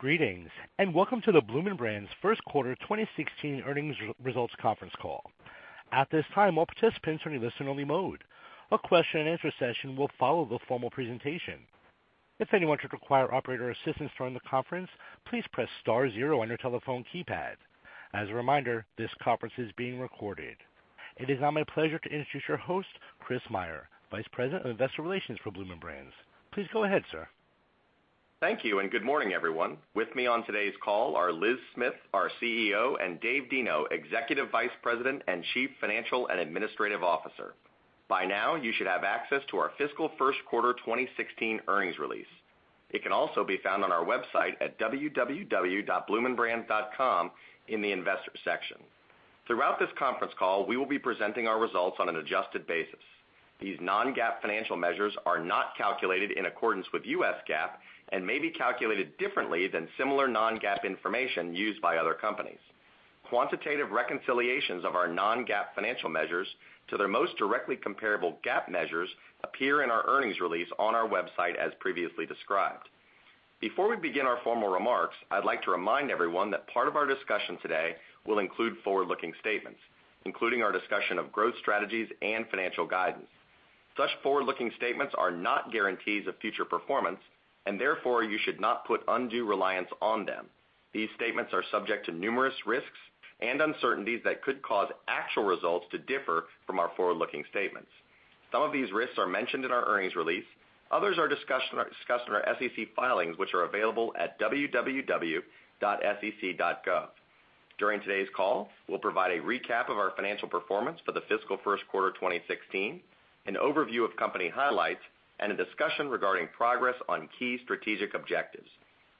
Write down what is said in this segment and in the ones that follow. Greetings, welcome to the Bloomin' Brands first quarter 2016 earnings results conference call. At this time, all participants are in listen only mode. A question and answer session will follow the formal presentation. If anyone should require operator assistance during the conference, please press star zero on your telephone keypad. As a reminder, this conference is being recorded. It is now my pleasure to introduce your host, Chris Meyer, Vice President of Investor Relations for Bloomin' Brands. Please go ahead, sir. Thank you, good morning, everyone. With me on today's call are Liz Smith, our CEO, and David Deno, Executive Vice President and Chief Financial and Administrative Officer. By now, you should have access to our fiscal first quarter 2016 earnings release. It can also be found on our website at www.bloominbrands.com in the investor section. Throughout this conference call, we will be presenting our results on an adjusted basis. These non-GAAP financial measures are not calculated in accordance with U.S. GAAP and may be calculated differently than similar non-GAAP information used by other companies. Quantitative reconciliations of our non-GAAP financial measures to their most directly comparable GAAP measures appear in our earnings release on our website as previously described. Before we begin our formal remarks, I'd like to remind everyone that part of our discussion today will include forward-looking statements, including our discussion of growth strategies and financial guidance. Such forward-looking statements are not guarantees of future performance, therefore you should not put undue reliance on them. These statements are subject to numerous risks and uncertainties that could cause actual results to differ from our forward-looking statements. Some of these risks are mentioned in our earnings release. Others are discussed in our SEC filings, which are available at www.sec.gov. During today's call, we'll provide a recap of our financial performance for the fiscal first quarter 2016, an overview of company highlights, and a discussion regarding progress on key strategic objectives.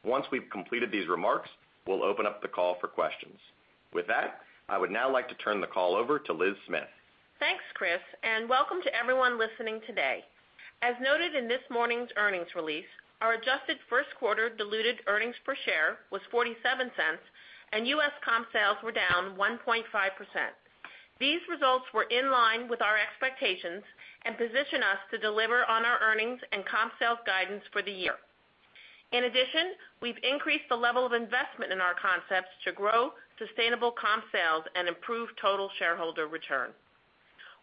Once we've completed these remarks, we'll open up the call for questions. With that, I would now like to turn the call over to Liz Smith. Thanks, Chris, welcome to everyone listening today. As noted in this morning's earnings release, our adjusted first quarter diluted earnings per share was $0.47. U.S. comp sales were down 1.5%. These results were in line with our expectations position us to deliver on our earnings and comp sales guidance for the year. In addition, we've increased the level of investment in our concepts to grow sustainable comp sales and improve total shareholder return.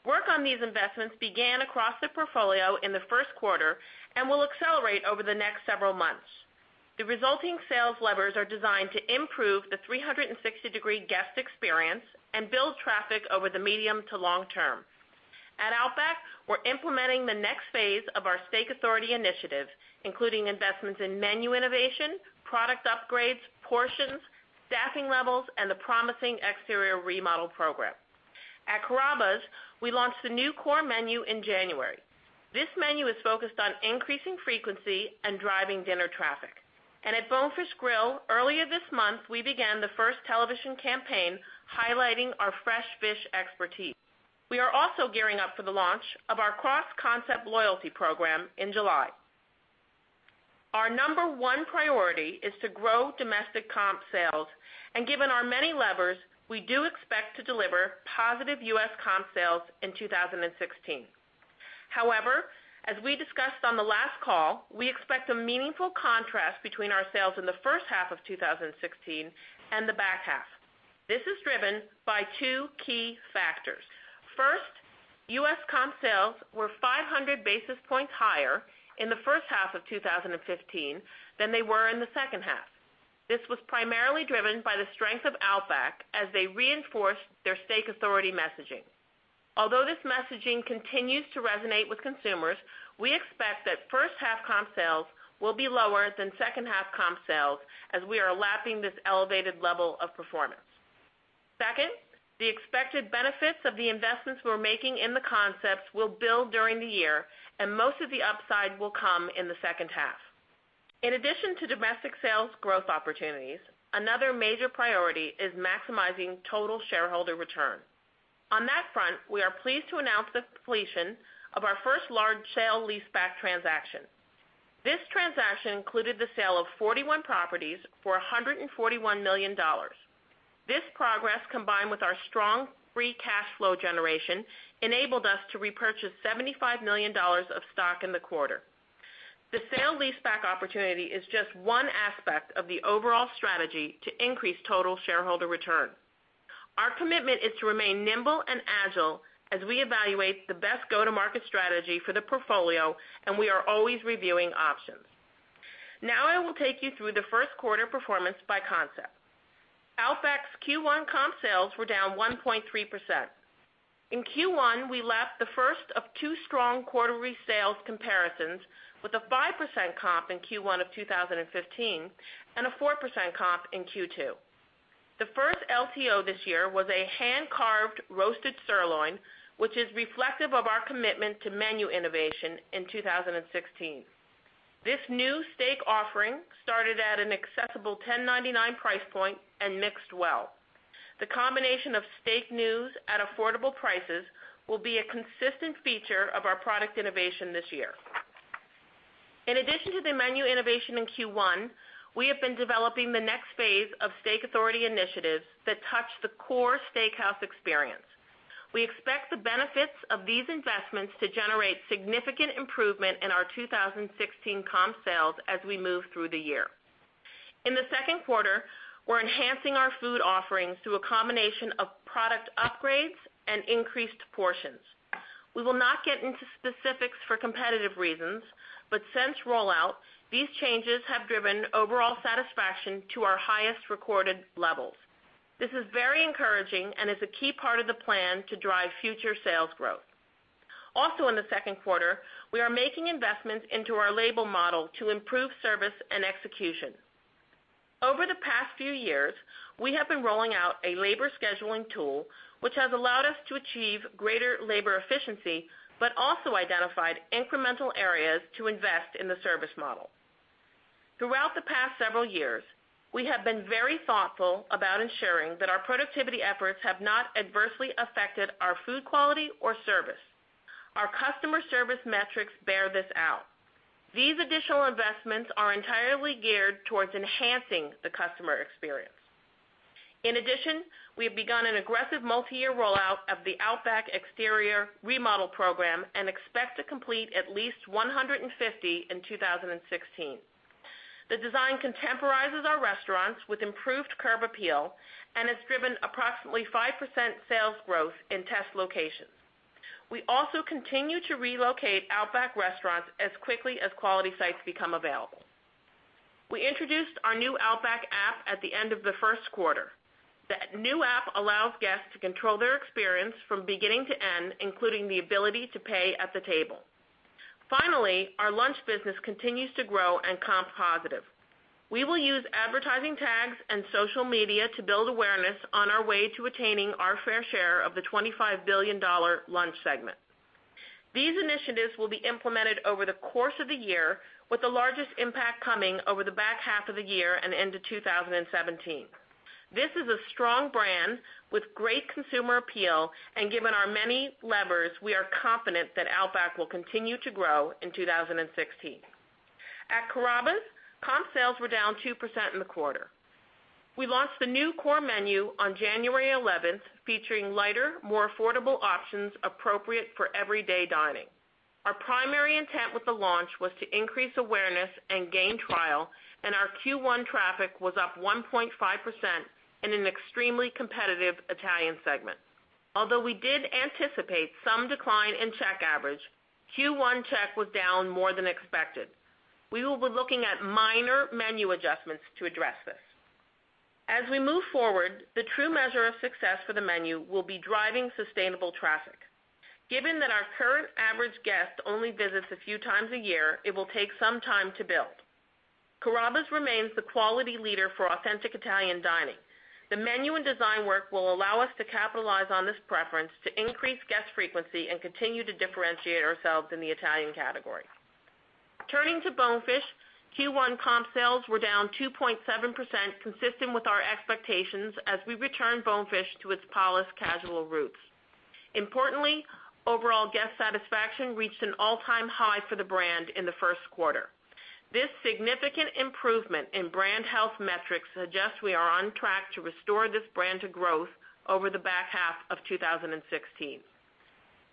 Work on these investments began across the portfolio in the first quarter and will accelerate over the next several months. The resulting sales levers are designed to improve the 360-degree guest experience and build traffic over the medium to long term. At Outback, we're implementing the next phase of our Steak Authority initiative, including investments in menu innovation, product upgrades, portions, staffing levels, and a promising exterior remodel program. At Carrabba's, we launched the new core menu in January. This menu is focused on increasing frequency and driving dinner traffic. At Bonefish Grill, earlier this month, we began the first television campaign highlighting our fresh fish expertise. We are also gearing up for the launch of our cross-concept loyalty program in July. Our number one priority is to grow domestic comp sales. Given our many levers, we do expect to deliver positive U.S. comp sales in 2016. However, as we discussed on the last call, we expect a meaningful contrast between our sales in the first half of 2016 and the back half. This is driven by two key factors. First, U.S. comp sales were 500 basis points higher in the first half of 2015 than they were in the second half. This was primarily driven by the strength of Outback as they reinforced their Steak Authority messaging. Although this messaging continues to resonate with consumers, we expect that first half comp sales will be lower than second half comp sales, as we are lapping this elevated level of performance. Second, the expected benefits of the investments we're making in the concepts will build during the year. Most of the upside will come in the second half. In addition to domestic sales growth opportunities, another major priority is maximizing total shareholder return. On that front, we are pleased to announce the completion of our first large sale leaseback transaction. This transaction included the sale of 41 properties for $141 million. This progress, combined with our strong free cash flow generation, enabled us to repurchase $75 million of stock in the quarter. The sale leaseback opportunity is just one aspect of the overall strategy to increase total shareholder return. Our commitment is to remain nimble and agile as we evaluate the best go-to-market strategy for the portfolio. We are always reviewing options. Now I will take you through the first quarter performance by concept. Outback's Q1 comp sales were down 1.3%. In Q1, we lapped the first of two strong quarterly sales comparisons with a 5% comp in Q1 of 2015 and a 4% comp in Q2. The first LTO this year was a hand-carved roasted sirloin, which is reflective of our commitment to menu innovation in 2016. This new steak offering started at an accessible $10.99 price point and mixed well. The combination of steak news at affordable prices will be a consistent feature of our product innovation this year. In addition to the menu innovation in Q1, we have been developing the next phase of Steak Authority initiatives that touch the core steakhouse experience. We expect the benefits of these investments to generate significant improvement in our 2016 comp sales as we move through the year. In the second quarter, we're enhancing our food offerings through a combination of product upgrades and increased portions. We will not get into specifics for competitive reasons, but since rollout, these changes have driven overall satisfaction to our highest recorded levels. This is very encouraging and is a key part of the plan to drive future sales growth. Also in the second quarter, we are making investments into our labor model to improve service and execution. Over the past few years, we have been rolling out a labor scheduling tool, which has allowed us to achieve greater labor efficiency, but also identified incremental areas to invest in the service model. Throughout the past several years, we have been very thoughtful about ensuring that our productivity efforts have not adversely affected our food quality or service. Our customer service metrics bear this out. These additional investments are entirely geared towards enhancing the customer experience. In addition, we have begun an aggressive multi-year rollout of the Outback exterior remodel program and expect to complete at least 150 in 2016. The design contemporizes our restaurants with improved curb appeal and has driven approximately 5% sales growth in test locations. We also continue to relocate Outback restaurants as quickly as quality sites become available. We introduced our new Outback app at the end of the first quarter. The new app allows guests to control their experience from beginning to end, including the ability to pay at the table. Finally, our lunch business continues to grow and comp positive. We will use advertising tags and social media to build awareness on our way to attaining our fair share of the $25 billion lunch segment. These initiatives will be implemented over the course of the year, with the largest impact coming over the back half of the year and into 2017. This is a strong brand with great consumer appeal, given our many levers, we are confident that Outback will continue to grow in 2016. At Carrabba's, comp sales were down 2% in the quarter. We launched the new core menu on January 11th, featuring lighter, more affordable options appropriate for everyday dining. Our primary intent with the launch was to increase awareness and gain trial, our Q1 traffic was up 1.5% in an extremely competitive Italian segment. Although we did anticipate some decline in check average, Q1 check was down more than expected. We will be looking at minor menu adjustments to address this. As we move forward, the true measure of success for the menu will be driving sustainable traffic. Given that our current average guest only visits a few times a year, it will take some time to build. Carrabba's remains the quality leader for authentic Italian dining. The menu and design work will allow us to capitalize on this preference to increase guest frequency and continue to differentiate ourselves in the Italian category. Turning to Bonefish, Q1 comp sales were down 2.7%, consistent with our expectations as we return Bonefish to its polished casual roots. Importantly, overall guest satisfaction reached an all-time high for the brand in the first quarter. This significant improvement in brand health metrics suggests we are on track to restore this brand to growth over the back half of 2016.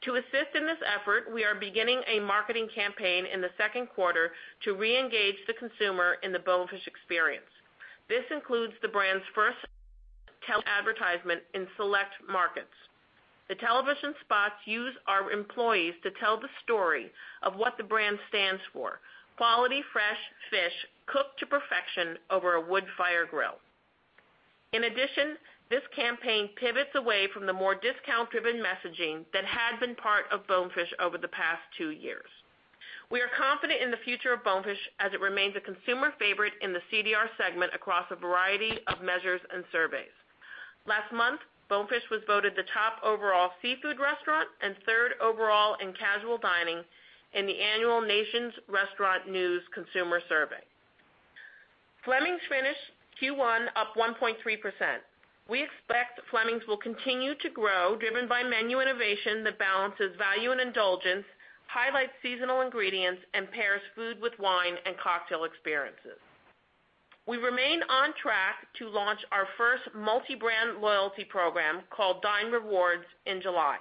To assist in this effort, we are beginning a marketing campaign in the second quarter to reengage the consumer in the Bonefish experience. This includes the brand's first television advertisement in select markets. The television spots use our employees to tell the story of what the brand stands for: quality, fresh fish cooked to perfection over a wood fire grill. In addition, this campaign pivots away from the more discount-driven messaging that had been part of Bonefish over the past two years. We are confident in the future of Bonefish, as it remains a consumer favorite in the CDR segment across a variety of measures and surveys. Last month, Bonefish was voted the top overall seafood restaurant and third overall in casual dining in the annual Nation's Restaurant News consumer survey. Fleming's finished Q1 up 1.3%. We expect Fleming's will continue to grow, driven by menu innovation that balances value and indulgence, highlights seasonal ingredients, and pairs food with wine and cocktail experiences. We remain on track to launch our first multi-brand loyalty program, called Dine Rewards, in July.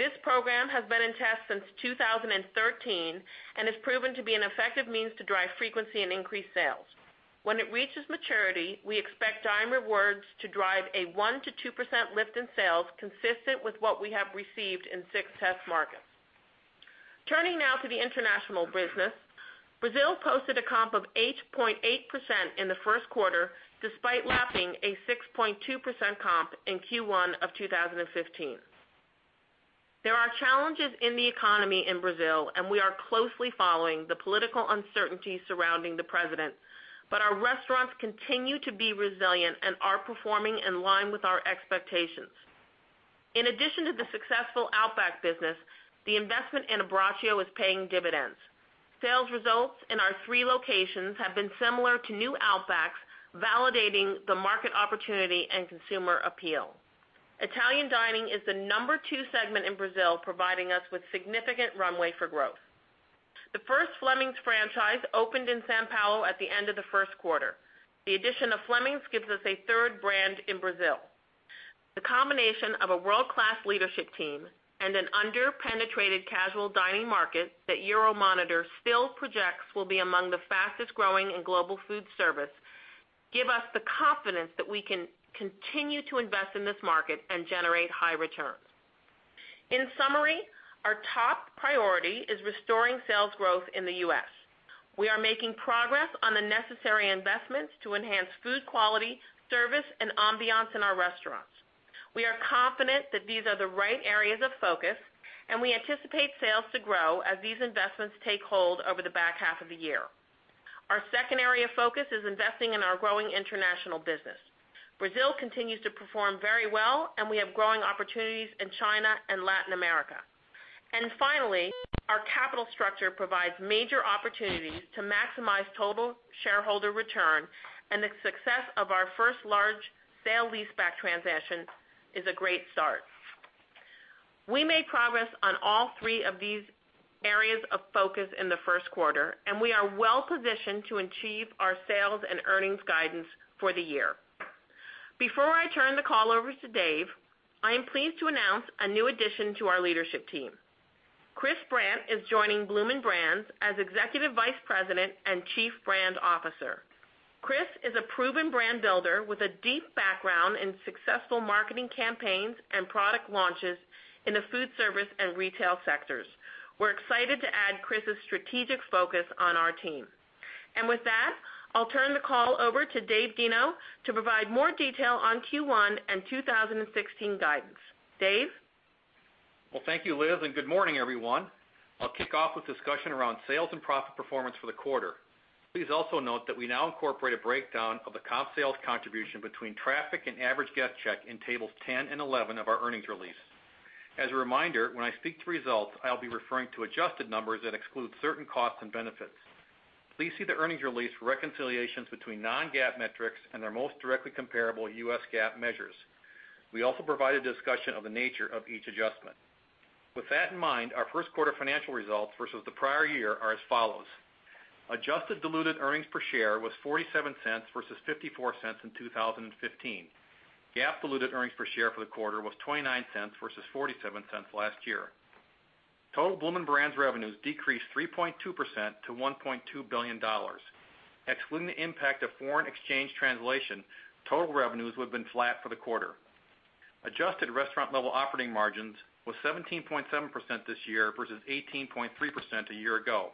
This program has been in test since 2013 and has proven to be an effective means to drive frequency and increase sales. When it reaches maturity, we expect Dine Rewards to drive a 1%-2% lift in sales, consistent with what we have received in six test markets. Turning now to the international business. Brazil posted a comp of 8.8% in the first quarter, despite lapping a 6.2% comp in Q1 of 2015. There are challenges in the economy in Brazil, and we are closely following the political uncertainty surrounding the president. Our restaurants continue to be resilient and are performing in line with our expectations. In addition to the successful Outback business, the investment in Abbraccio is paying dividends. Sales results in our three locations have been similar to new Outbacks, validating the market opportunity and consumer appeal. Italian dining is the number two segment in Brazil, providing us with significant runway for growth. The first Fleming's franchise opened in São Paulo at the end of the first quarter. The addition of Fleming's gives us a third brand in Brazil. The combination of a world-class leadership team and an under-penetrated casual dining market that Euromonitor still projects will be among the fastest-growing in global food service, give us the confidence that we can continue to invest in this market and generate high returns. In summary, our top priority is restoring sales growth in the U.S. We are making progress on the necessary investments to enhance food quality, service, and ambiance in our restaurants. We are confident that these are the right areas of focus. We anticipate sales to grow as these investments take hold over the back half of the year. Our second area of focus is investing in our growing international business. Brazil continues to perform very well. We have growing opportunities in China and Latin America. Finally, our capital structure provides major opportunities to maximize total shareholder return. The success of our first large sale-leaseback transaction is a great start. We made progress on all three of these areas of focus in the first quarter. We are well-positioned to achieve our sales and earnings guidance for the year. Before I turn the call over to Dave, I am pleased to announce a new addition to our leadership team. Chris Brandt is joining Bloomin' Brands as Executive Vice President and Chief Brand Officer. Chris is a proven brand builder with a deep background in successful marketing campaigns and product launches in the food service and retail sectors. We're excited to add Chris' strategic focus on our team. With that, I'll turn the call over to Dave Deno to provide more detail on Q1 and 2016 guidance. Dave? Well, thank you, Liz, and good morning, everyone. I'll kick off with discussion around sales and profit performance for the quarter. Please also note that we now incorporate a breakdown of the comp sales contribution between traffic and average guest check in tables 10 and 11 of our earnings release. As a reminder, when I speak to results, I'll be referring to adjusted numbers that exclude certain costs and benefits. Please see the earnings release for reconciliations between non-GAAP metrics and their most directly comparable U.S. GAAP measures. We also provide a discussion of the nature of each adjustment. With that in mind, our first quarter financial results versus the prior year are as follows. Adjusted diluted earnings per share was $0.47 versus $0.54 in 2015. GAAP diluted earnings per share for the quarter was $0.29 versus $0.47 last year. Total Bloomin' Brands revenues decreased 3.2% to $1.2 billion. Excluding the impact of foreign exchange translation, total revenues would've been flat for the quarter. Adjusted restaurant level operating margins was 17.7% this year versus 18.3% a year ago.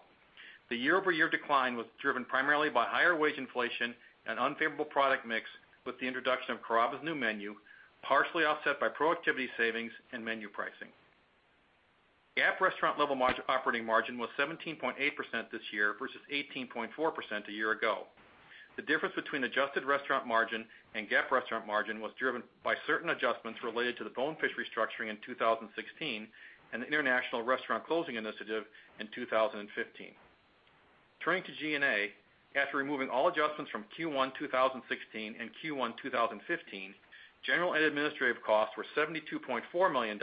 The year-over-year decline was driven primarily by higher wage inflation and unfavorable product mix with the introduction of Carrabba's new menu, partially offset by productivity savings and menu pricing. GAAP restaurant level operating margin was 17.8% this year versus 18.4% a year ago. The difference between adjusted restaurant margin and GAAP restaurant margin was driven by certain adjustments related to the Bonefish restructuring in 2016 and the international restaurant closing initiative in 2015. Turning to G&A, after removing all adjustments from Q1 2016 and Q1 2015, general and administrative costs were $72.4 million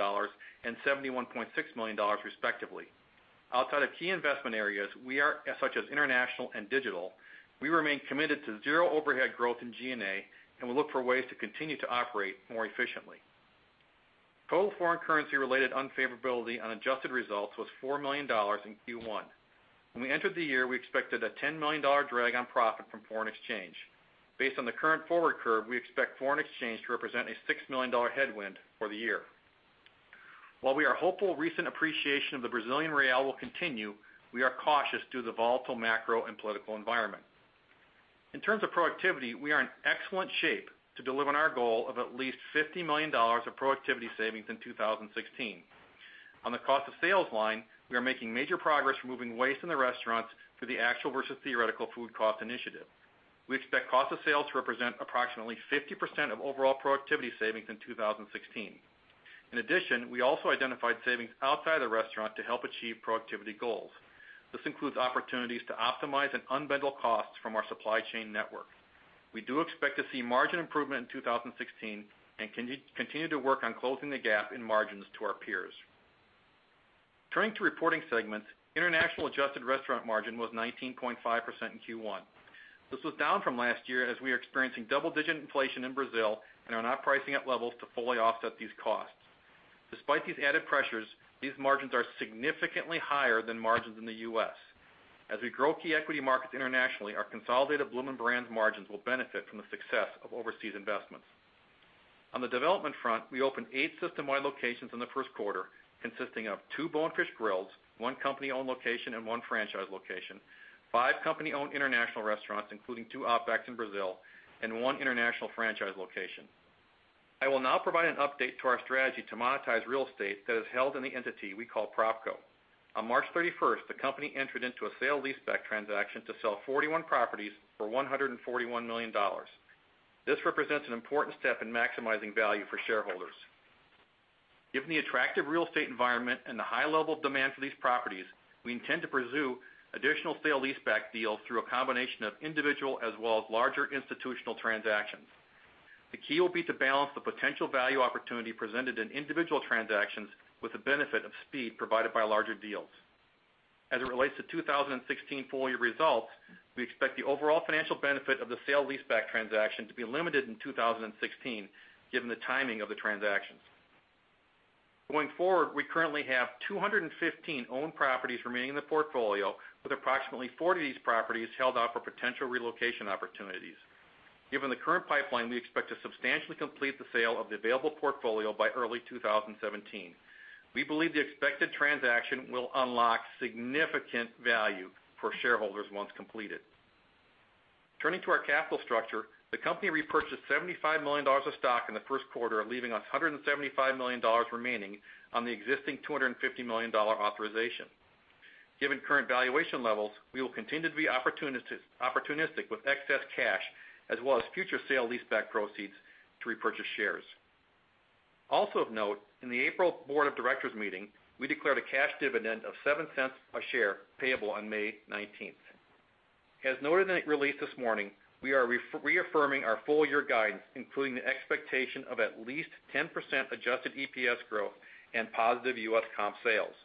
and $71.6 million respectively. Outside of key investment areas such as international and digital, we remain committed to zero overhead growth in G&A and will look for ways to continue to operate more efficiently. Total foreign currency-related unfavorability on adjusted results was $4 million in Q1. When we entered the year, we expected a $10 million drag on profit from foreign exchange. Based on the current forward curve, we expect foreign exchange to represent a $6 million headwind for the year. While we are hopeful recent appreciation of the Brazilian real will continue, we are cautious due to the volatile macro and political environment. In terms of productivity, we are in excellent shape to deliver on our goal of at least $50 million of productivity savings in 2016. On the cost of sales line, we are making major progress removing waste in the restaurants through the actual versus theoretical food cost initiative. We expect cost of sales to represent approximately 50% of overall productivity savings in 2016. We also identified savings outside of the restaurant to help achieve productivity goals. This includes opportunities to optimize and unbundle costs from our supply chain network. We do expect to see margin improvement in 2016 and continue to work on closing the gap in margins to our peers. Turning to reporting segments, international adjusted restaurant margin was 19.5% in Q1. This was down from last year as we are experiencing double-digit inflation in Brazil and are not pricing at levels to fully offset these costs. Despite these added pressures, these margins are significantly higher than margins in the U.S. As we grow key equity markets internationally, our consolidated Bloomin' Brands margins will benefit from the success of overseas investments. On the development front, we opened eight system-wide locations in the first quarter, consisting of two Bonefish Grills, one company-owned location and one franchise location, five company-owned international restaurants, including two Outbacks in Brazil, and one international franchise location. I will now provide an update to our strategy to monetize real estate that is held in the entity we call PropCo. On March 31st, the company entered into a sale leaseback transaction to sell 41 properties for $141 million. This represents an important step in maximizing value for shareholders. Given the attractive real estate environment and the high level of demand for these properties, we intend to pursue additional sale leaseback deals through a combination of individual as well as larger institutional transactions. The key will be to balance the potential value opportunity presented in individual transactions with the benefit of speed provided by larger deals. As it relates to 2016 full year results, we expect the overall financial benefit of the sale leaseback transaction to be limited in 2016, given the timing of the transactions. Going forward, we currently have 215 owned properties remaining in the portfolio, with approximately 40 of these properties held out for potential relocation opportunities. Given the current pipeline, we expect to substantially complete the sale of the available portfolio by early 2017. We believe the expected transaction will unlock significant value for shareholders once completed. Turning to our capital structure, the company repurchased $75 million of stock in the first quarter, leaving us $175 million remaining on the existing $250 million authorization. Given current valuation levels, we will continue to be opportunistic with excess cash as well as future sale leaseback proceeds to repurchase shares. Also of note, in the April Board of Directors meeting, we declared a cash dividend of $0.07 a share payable on May 19th. As noted in the release this morning, we are reaffirming our full year guidance, including the expectation of at least 10% adjusted EPS growth and positive U.S. comp sales.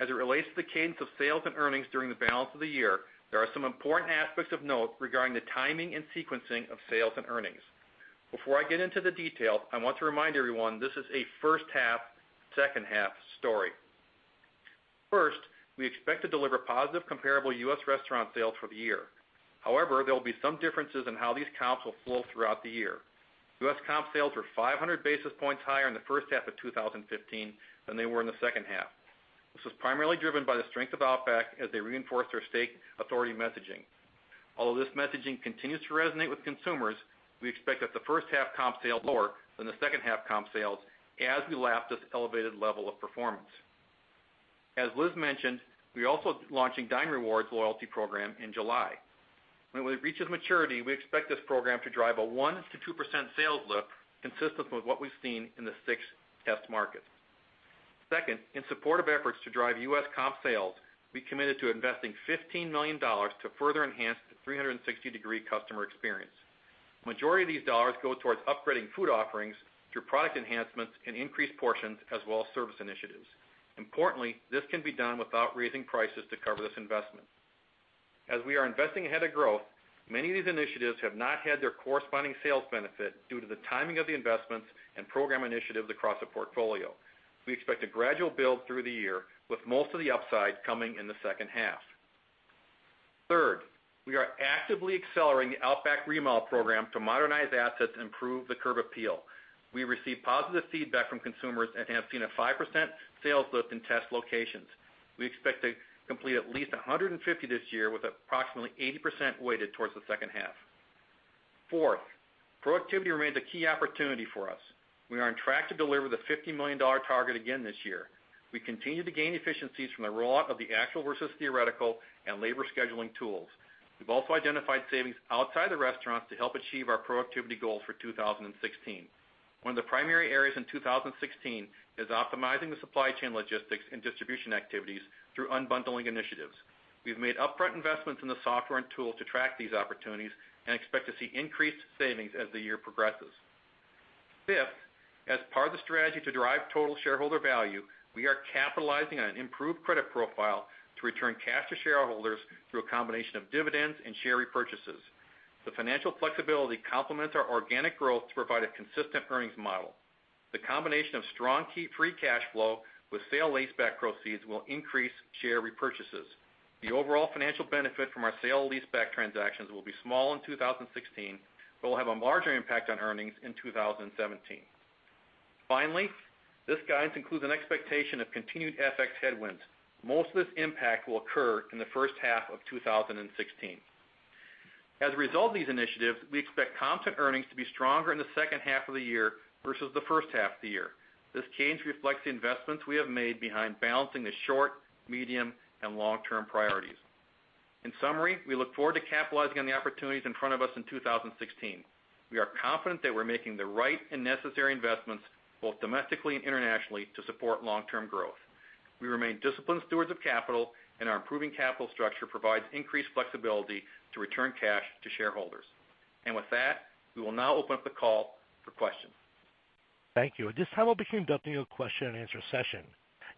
As it relates to the cadence of sales and earnings during the balance of the year, there are some important aspects of note regarding the timing and sequencing of sales and earnings. Before I get into the detail, I want to remind everyone this is a first half, second half story. First, we expect to deliver positive comparable U.S. restaurant sales for the year. However, there will be some differences in how these comps will flow throughout the year. U.S. comp sales were 500 basis points higher in the first half of 2015 than they were in the second half. This was primarily driven by the strength of Outback as they reinforced their Steak Authority messaging. Although this messaging continues to resonate with consumers, we expect that the first half comp sales lower than the second half comp sales as we lap this elevated level of performance. As Liz mentioned, we're also launching Dine Rewards loyalty program in July. When it reaches maturity, we expect this program to drive a 1%-2% sales lift consistent with what we've seen in the six test markets. Second, in support of efforts to drive U.S. comp sales, we committed to investing $15 million to further enhance the 360-degree customer experience. Majority of these dollars go towards upgrading food offerings through product enhancements and increased portions as well as service initiatives. Importantly, this can be done without raising prices to cover this investment. As we are investing ahead of growth, many of these initiatives have not had their corresponding sales benefit due to the timing of the investments and program initiatives across the portfolio. We expect a gradual build through the year with most of the upside coming in the second half. Third, we are actively accelerating the Outback remodel program to modernize assets and improve the curb appeal. We received positive feedback from consumers and have seen a 5% sales lift in test locations. We expect to complete at least 150 this year, with approximately 80% weighted towards the second half. Fourth, productivity remains a key opportunity for us. We are on track to deliver the $50 million target again this year. We continue to gain efficiencies from the rollout of the actual versus theoretical and labor scheduling tools. We've also identified savings outside the restaurants to help achieve our productivity goals for 2016. One of the primary areas in 2016 is optimizing the supply chain logistics and distribution activities through unbundling initiatives. We've made upfront investments in the software and tools to track these opportunities and expect to see increased savings as the year progresses. Fifth, as part of the strategy to derive total shareholder value, we are capitalizing on an improved credit profile to return cash to shareholders through a combination of dividends and share repurchases. The financial flexibility complements our organic growth to provide a consistent earnings model. The combination of strong free cash flow with sale leaseback proceeds will increase share repurchases. The overall financial benefit from our sale leaseback transactions will be small in 2016, but will have a larger impact on earnings in 2017. Finally, this guidance includes an expectation of continued FX headwinds. Most of this impact will occur in the first half of 2016. As a result of these initiatives, we expect comp and earnings to be stronger in the second half of the year versus the first half of the year. This change reflects the investments we have made behind balancing the short, medium, and long-term priorities. In summary, we look forward to capitalizing on the opportunities in front of us in 2016. We are confident that we're making the right and necessary investments both domestically and internationally to support long-term growth. We remain disciplined stewards of capital, our improving capital structure provides increased flexibility to return cash to shareholders. With that, we will now open up the call for questions. Thank you. At this time, we'll begin conducting a question and answer session.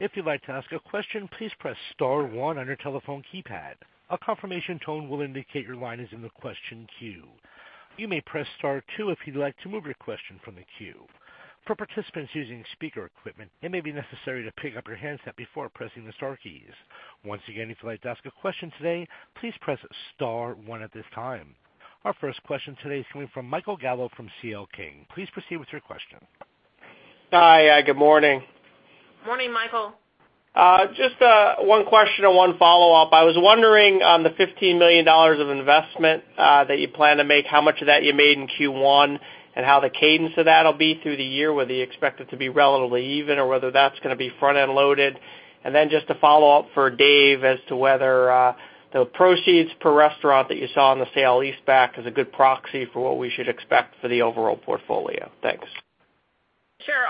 If you'd like to ask a question, please press *1 on your telephone keypad. A confirmation tone will indicate your line is in the question queue. You may press *2 if you'd like to move your question from the queue. For participants using speaker equipment, it may be necessary to pick up your handset before pressing the star keys. Once again, if you'd like to ask a question today, please press *1 at this time. Our first question today is coming from Michael Gallo from C.L. King. Please proceed with your question. Hi. Good morning. Morning, Michael. One question and one follow-up. I was wondering on the $15 million of investment that you plan to make, how much of that you made in Q1 and how the cadence of that'll be through the year? Whether you expect it to be relatively even or whether that's going to be front-end loaded? A follow-up for Dave as to whether the proceeds per restaurant that you saw in the sale leaseback is a good proxy for what we should expect for the overall portfolio. Thanks.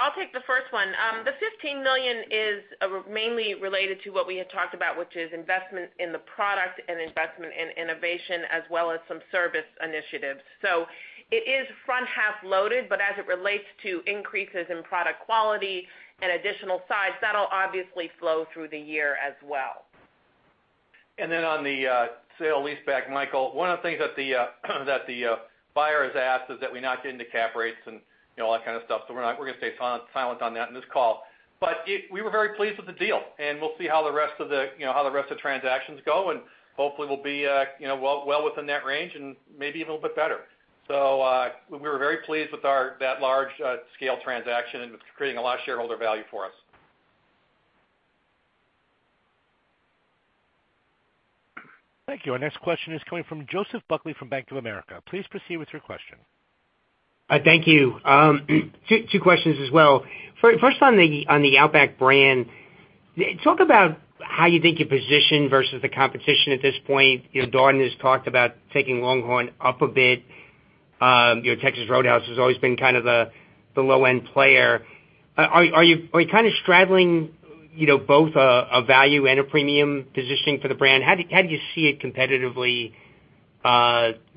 I'll take the first one. The $15 million is mainly related to what we had talked about, which is investment in the product and investment in innovation, as well as some service initiatives. It is front-half loaded, but as it relates to increases in product quality and additional size, that'll obviously flow through the year as well. On the sale leaseback, Michael, one of the things that the buyer has asked is that we not get into cap rates and all that kind of stuff. We're going to stay silent on that in this call. We were very pleased with the deal, and we'll see how the rest of the transactions go, and hopefully we'll be well within that range and maybe a little bit better. We were very pleased with that large-scale transaction, and it's creating a lot of shareholder value for us. Thank you. Our next question is coming from Joseph Buckley from Bank of America. Please proceed with your question. Thank you. Two questions as well. First, on the Outback brand, talk about how you think you're positioned versus the competition at this point. Darden has talked about taking LongHorn up a bit. Texas Roadhouse has always been kind of the low-end player. Are you kind of straddling both a value and a premium positioning for the brand? How do you see it competitively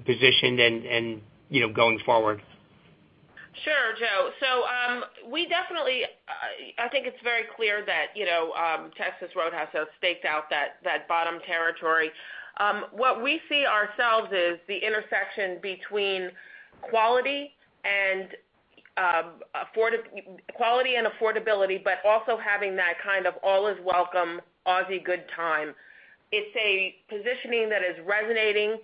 positioned and going forward? Sure, Joe. I think it's very clear that Texas Roadhouse has staked out that bottom territory. What we see ourselves is the intersection between quality and affordability, but also having that kind of all is welcome, Aussie good time. It's a positioning that is resonating.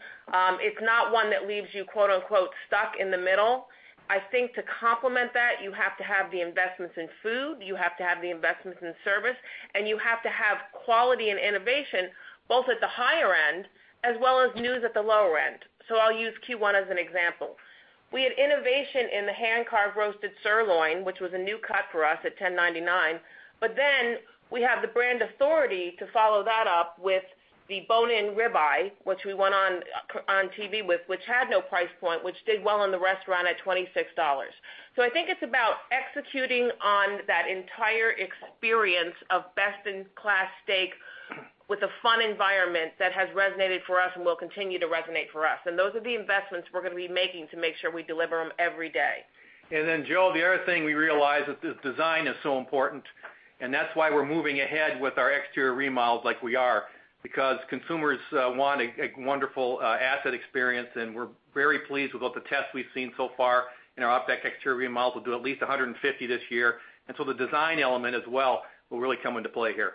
It's not one that leaves you "stuck in the middle." I think to complement that, you have to have the investments in food, you have to have the investments in service, and you have to have quality and innovation, both at the higher end as well as news at the lower end. I'll use Q1 as an example. We had innovation in the hand-carved roasted sirloin, which was a new cut for us at $10.99. We have the brand authority to follow that up with the bone-in rib eye, which we went on TV with, which had no price point, which did well in the restaurant at $26. I think it's about executing on that entire experience of best-in-class steak with a fun environment that has resonated for us and will continue to resonate for us. Those are the investments we're going to be making to make sure we deliver them every day. Joe, the other thing we realized that this design is so important, and that's why we're moving ahead with our exterior remodels like we are, because consumers want a wonderful asset experience, and we're very pleased with both the tests we've seen so far in our Outback exterior remodels. We'll do at least 150 this year, the design element as well will really come into play here.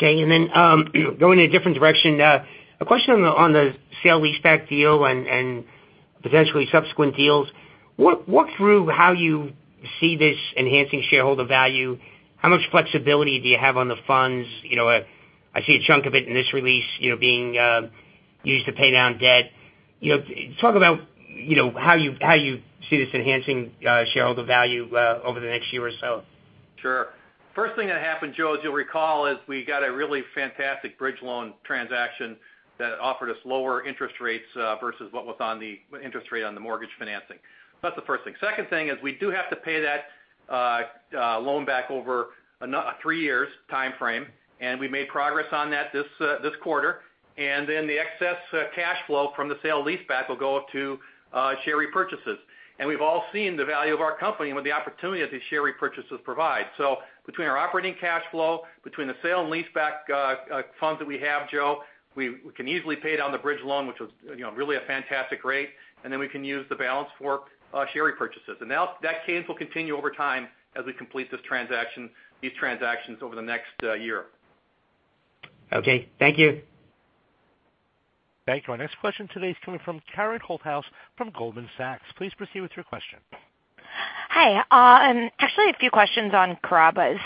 Going in a different direction. A question on the sale leaseback deal and potentially subsequent deals. Walk through how you see this enhancing shareholder value. How much flexibility do you have on the funds? I see a chunk of it in this release being used to pay down debt. Talk about how you see this enhancing shareholder value over the next year or so. Sure. First thing that happened, Joe, as you'll recall, is we got a really fantastic bridge loan transaction that offered us lower interest rates versus what was on the interest rate on the mortgage financing. That's the first thing. Second thing is we do have to pay that loan back over a three years timeframe, and we made progress on that this quarter. The excess cash flow from the sale leaseback will go to share repurchases. We've all seen the value of our company and what the opportunity of these share repurchases provide. Between our operating cash flow, between the sale and leaseback funds that we have, Joe, we can easily pay down the bridge loan, which was really a fantastic rate, and then we can use the balance for share repurchases. That case will continue over time as we complete these transactions over the next year. Okay. Thank you. Thank you. Our next question today is coming from Karen Holthouse from Goldman Sachs. Please proceed with your question. Hi. Actually, a few questions on Carrabba's.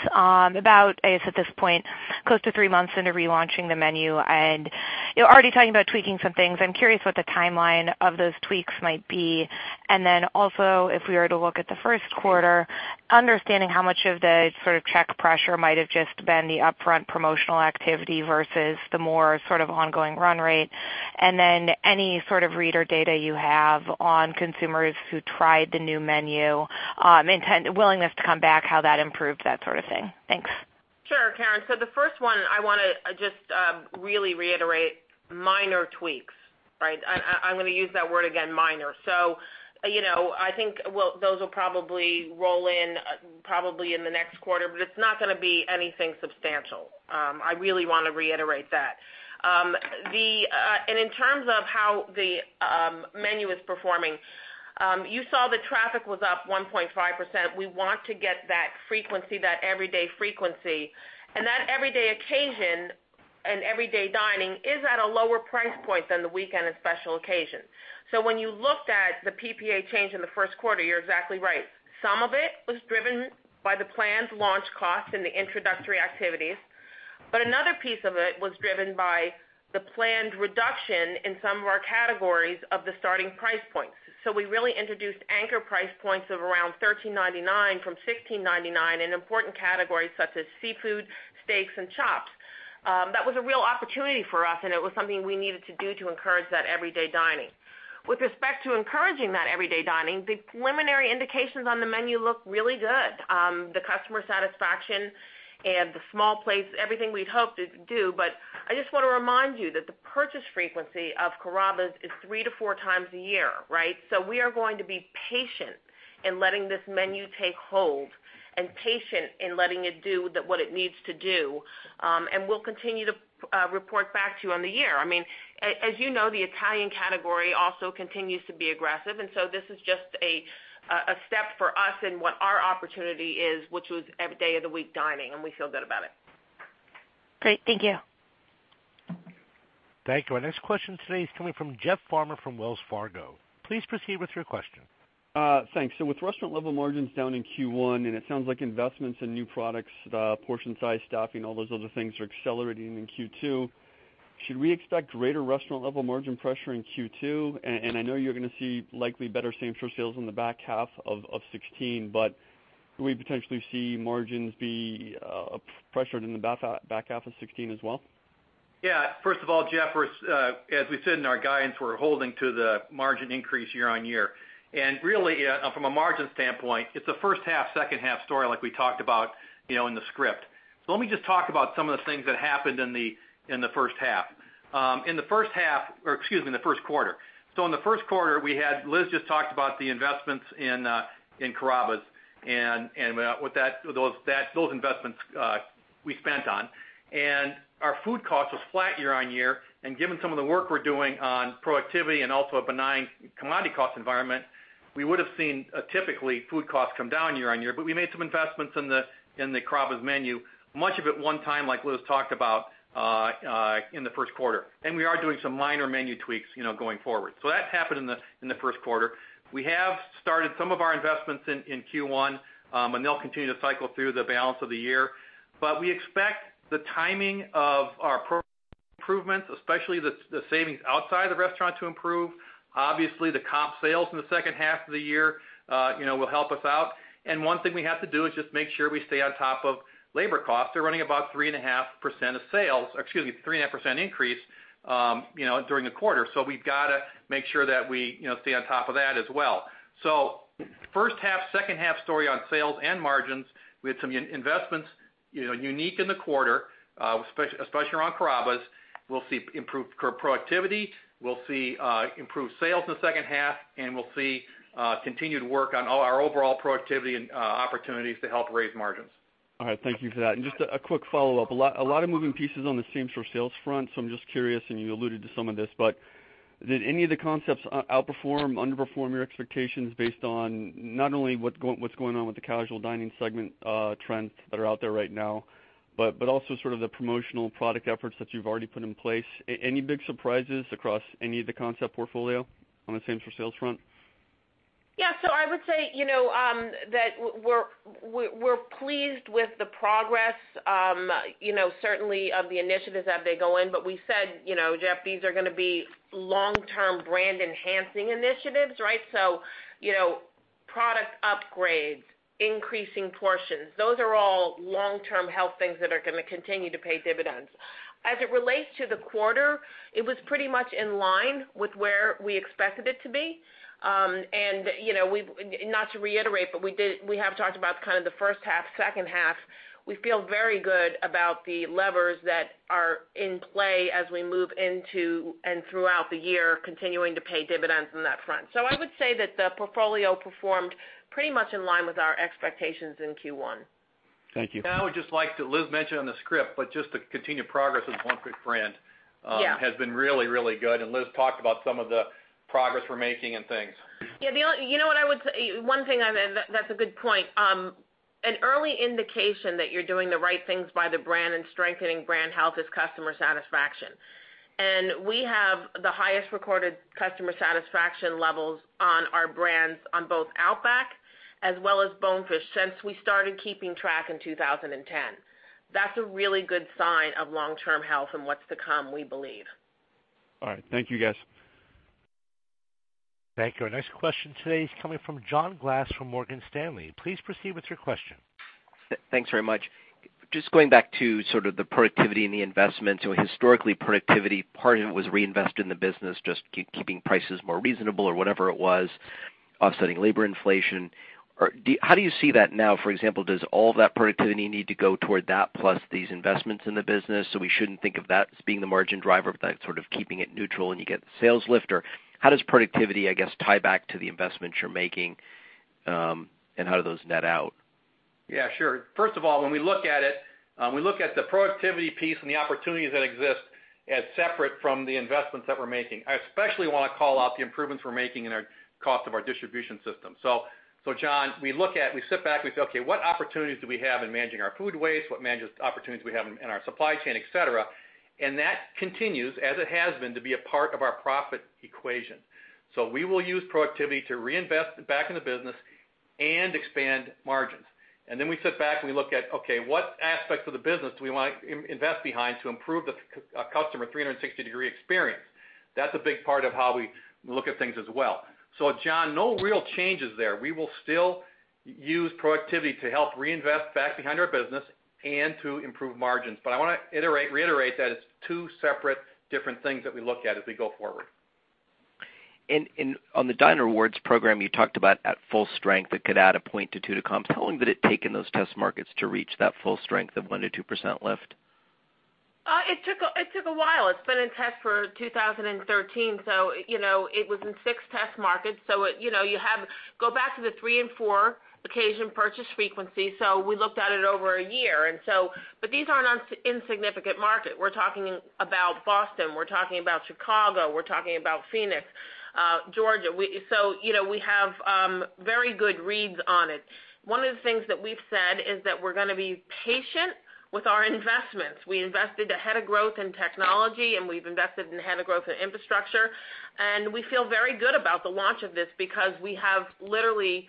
About, I guess, at this point, close to three months into relaunching the menu, and you're already talking about tweaking some things. I'm curious what the timeline of those tweaks might be, and then also, if we were to look at the first quarter, understanding how much of the sort of check pressure might have just been the upfront promotional activity versus the more sort of ongoing run rate. Any sort of reader data you have on consumers who tried the new menu, willingness to come back, how that improved, that sort of thing. Thanks. Sure, Karen. The first one, I want to just really reiterate minor tweaks, right? I'm going to use that word again, minor. I think those will probably roll in probably in the next quarter, but it's not going to be anything substantial. I really want to reiterate that. In terms of how the menu is performing, you saw the traffic was up 1.5%. We want to get that frequency, that everyday frequency. That everyday occasion and everyday dining is at a lower price point than the weekend and special occasions. When you looked at the PPA change in the first quarter, you're exactly right. Some of it was driven by the planned launch costs and the introductory activities. Another piece of it was driven by the planned reduction in some of our categories of the starting price points. We really introduced anchor price points of around $13.99 from $16.99 in important categories such as seafood, steaks, and chops. That was a real opportunity for us, and it was something we needed to do to encourage that everyday dining. With respect to encouraging that everyday dining, the preliminary indications on the menu look really good. The customer satisfaction and the small plates, everything we'd hoped it'd do, but I just want to remind you that the purchase frequency of Carrabba's is three to four times a year, right? We are going to be patient in letting this menu take hold and patient in letting it do what it needs to do. We'll continue to report back to you on the year. As you know, the Italian category also continues to be aggressive. This is just a step for us in what our opportunity is, which was every day of the week dining, and we feel good about it. Great. Thank you. Thank you. Our next question today is coming from Jeff Farmer from Wells Fargo. Please proceed with your question. Thanks. With restaurant-level margins down in Q1, and it sounds like investments in new products, portion size, staffing, all those other things are accelerating in Q2, should we expect greater restaurant-level margin pressure in Q2? I know you're going to see likely better same-store sales in the back half of 2016, but do we potentially see margins be pressured in the back half of 2016 as well? Yeah. First of all, Jeff, as we said in our guidance, we're holding to the margin increase year-on-year. Really, from a margin standpoint, it's a first half, second half story like we talked about in the script. Let me just talk about some of the things that happened in the first half. In the first half, or excuse me, in the first quarter. In the first quarter, Liz just talked about the investments in Carrabba's and those investments we spent on. Our food cost was flat year-on-year, and given some of the work we're doing on productivity and also a benign commodity cost environment, we would've seen, typically, food costs come down year-on-year. We made some investments in the Carrabba's menu, much of it one time, like Liz talked about, in the first quarter. We are doing some minor menu tweaks going forward. That happened in the first quarter. We have started some of our investments in Q1, and they'll continue to cycle through the balance of the year. We expect the timing of our improvements, especially the savings outside the restaurant, to improve. Obviously, the comp sales in the second half of the year will help us out. One thing we have to do is just make sure we stay on top of labor costs. They're running about 3.5% increase during the quarter. We've got to make sure that we stay on top of that as well. First half, second half story on sales and margins. We had some investments unique in the quarter, especially around Carrabba's. We'll see improved productivity. We'll see improved sales in the second half, and we'll see continued work on our overall productivity and opportunities to help raise margins. All right. Thank you for that. Just a quick follow-up. A lot of moving pieces on the same-store sales front, I'm just curious, and you alluded to some of this, but did any of the concepts outperform, underperform your expectations based on not only what's going on with the casual dining segment trends that are out there right now, but also sort of the promotional product efforts that you've already put in place? Any big surprises across any of the concept portfolio on the same-store sales front? Yeah. I would say that we're pleased with the progress, certainly of the initiatives as they go in. We said, Jeff, these are going to be long-term brand enhancing initiatives, right? Product upgrades, increasing portions, those are all long-term health things that are going to continue to pay dividends. As it relates to the quarter, it was pretty much in line with where we expected it to be. Not to reiterate, but we have talked about kind of the first half, second half. We feel very good about the levers that are in play as we move into and throughout the year, continuing to pay dividends on that front. I would say that the portfolio performed pretty much in line with our expectations in Q1. Thank you. I would just like to, Liz mentioned on the script, but just the continued progress with Bonefish brand- Yeah Has been really, really good, and Liz talked about some of the progress we're making and things. Yeah. That's a good point. An early indication that you're doing the right things by the brand and strengthening brand health is customer satisfaction. We have the highest recorded customer satisfaction levels on our brands on both Outback as well as Bonefish since we started keeping track in 2010. That's a really good sign of long-term health and what's to come, we believe. All right. Thank you, guys. Thank you. Our next question today is coming from John Glass from Morgan Stanley. Please proceed with your question. Thanks very much. Just going back to sort of the productivity and the investment. Historically, productivity, part of it was reinvested in the business, just keeping prices more reasonable or whatever it was, offsetting labor inflation. How do you see that now? For example, does all that productivity need to go toward that, plus these investments in the business? We shouldn't think of that as being the margin driver, but that's sort of keeping it neutral and you get the sales lift, or how does productivity, I guess, tie back to the investments you're making? How do those net out? Yeah, sure. First of all, when we look at it, we look at the productivity piece and the opportunities that exist as separate from the investments that we're making. I especially want to call out the improvements we're making in our cost of our distribution system. John, we sit back, we say, "Okay, what opportunities do we have in managing our food waste? What opportunities we have in our supply chain," et cetera. That continues, as it has been, to be a part of our profit equation. We will use productivity to reinvest back in the business and expand margins. Then we sit back and we look at, okay, what aspects of the business do we want to invest behind to improve the customer 360-degree experience? That's a big part of how we look at things as well. John, no real changes there. We will still use productivity to help reinvest back behind our business and to improve margins. I want to reiterate that it's two separate, different things that we look at as we go forward. On the Dine Rewards program, you talked about at full strength, it could add a point to two to comp. How long did it take in those test markets to reach that full strength of 1% to 2% lift? It took a while. It's been in test for 2013. It was in six test markets. Go back to the three and four occasion purchase frequency. We looked at it over a year. These aren't insignificant market. We're talking about Boston, we're talking about Chicago, we're talking about Phoenix. Georgia, we have very good reads on it. One of the things that we've said is that we're going to be patient with our investments. We invested ahead of growth in technology, and we've invested ahead of growth in infrastructure. We feel very good about the launch of this because we have literally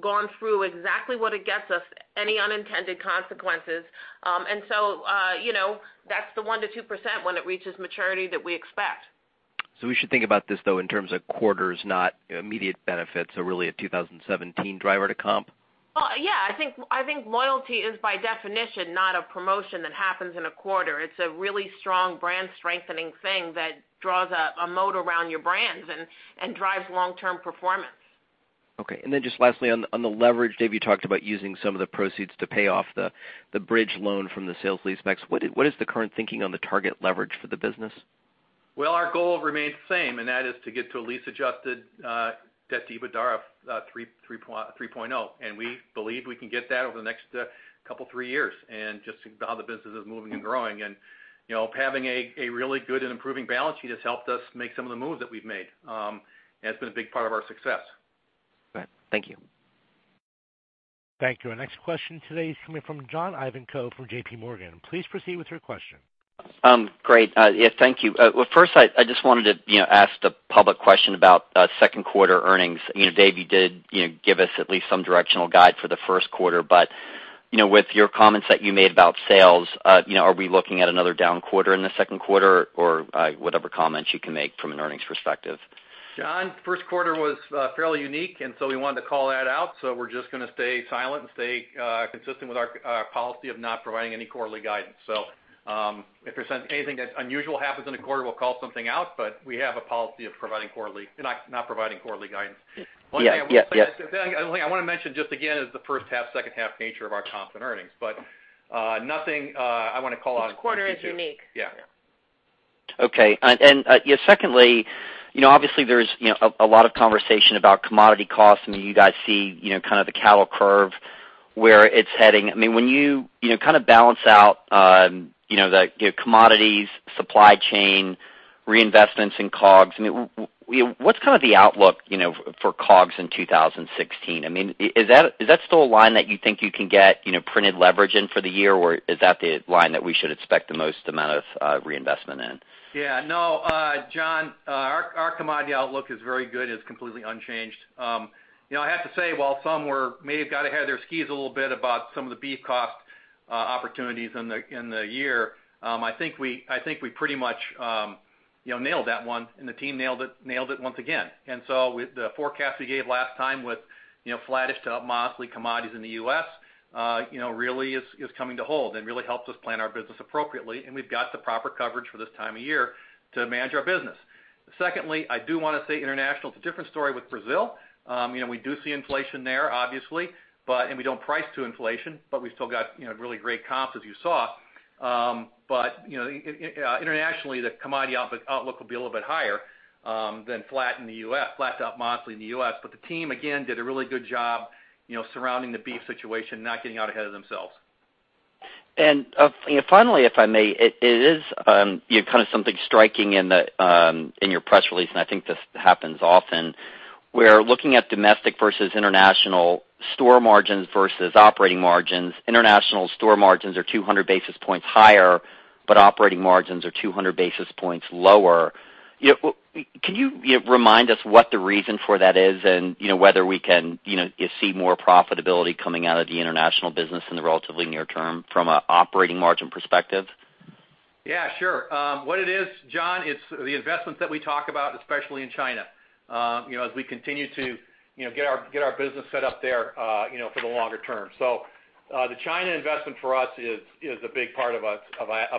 gone through exactly what it gets us, any unintended consequences. That's the 1% to 2% when it reaches maturity that we expect. We should think about this, though, in terms of quarters, not immediate benefits, so really a 2017 driver to comp? Well, yeah, I think loyalty is by definition not a promotion that happens in a quarter. It's a really strong brand-strengthening thing that draws a moat around your brands and drives long-term performance. Okay. Then just lastly, on the leverage, Dave, you talked about using some of the proceeds to pay off the bridge loan from the sales leasebacks. What is the current thinking on the target leverage for the business? Well, our goal remains the same, that is to get to a lease-adjusted debt to EBITDA of 3.0. We believe we can get that over the next couple of three years, just how the business is moving and growing. Having a really good and improving balance sheet has helped us make some of the moves that we've made. It's been a big part of our success. Right. Thank you. Thank you. Our next question today is coming from John Ivankoe from J.P. Morgan. Please proceed with your question. Great. Yeah, thank you. First, I just wanted to ask the public question about second quarter earnings. Dave, you did give us at least some directional guide for the first quarter, but with your comments that you made about sales, are we looking at another down quarter in the second quarter? Whatever comments you can make from an earnings perspective. John, first quarter was fairly unique, and so we wanted to call that out. We're just going to stay silent and stay consistent with our policy of not providing any quarterly guidance. If there's anything that's unusual happens in a quarter, we'll call something out, but we have a policy of not providing quarterly guidance. Yeah. One thing I want to mention just again is the first half, second half nature of our comps and earnings. Nothing I want to call out in Q2. Each quarter is unique. Yeah. Okay. Secondly, obviously there's a lot of conversation about commodity costs. You guys see the cattle curve, where it's heading. When you balance out the commodities, supply chain, reinvestments in COGS, what's the outlook for COGS in 2016? Is that still a line that you think you can get printed leverage in for the year, or is that the line that we should expect the most amount of reinvestment in? No, John, our commodity outlook is very good. It's completely unchanged. I have to say, while some may have got ahead of their skis a little bit about some of the beef cost opportunities in the year, I think we pretty much nailed that one, and the team nailed it once again. The forecast we gave last time with flattish to up modestly commodities in the U.S. really is coming to hold and really helped us plan our business appropriately. We've got the proper coverage for this time of year to manage our business. Secondly, I do want to say international, it's a different story with Brazil. We do see inflation there, obviously, and we don't price to inflation, but we've still got really great comps as you saw. Internationally, the commodity outlook will be a little bit higher than flat to up modestly in the U.S. The team, again, did a really good job surrounding the beef situation, not getting out ahead of themselves. Finally, if I may, it is something striking in your press release, and I think this happens often, where looking at domestic versus international store margins versus operating margins, international store margins are 200 basis points higher, but operating margins are 200 basis points lower. Can you remind us what the reason for that is? Whether we can see more profitability coming out of the international business in the relatively near term from an operating margin perspective? Yeah, sure. What it is, John, it's the investments that we talk about, especially in China, as we continue to get our business set up there for the longer term. The China investment for us is a big part of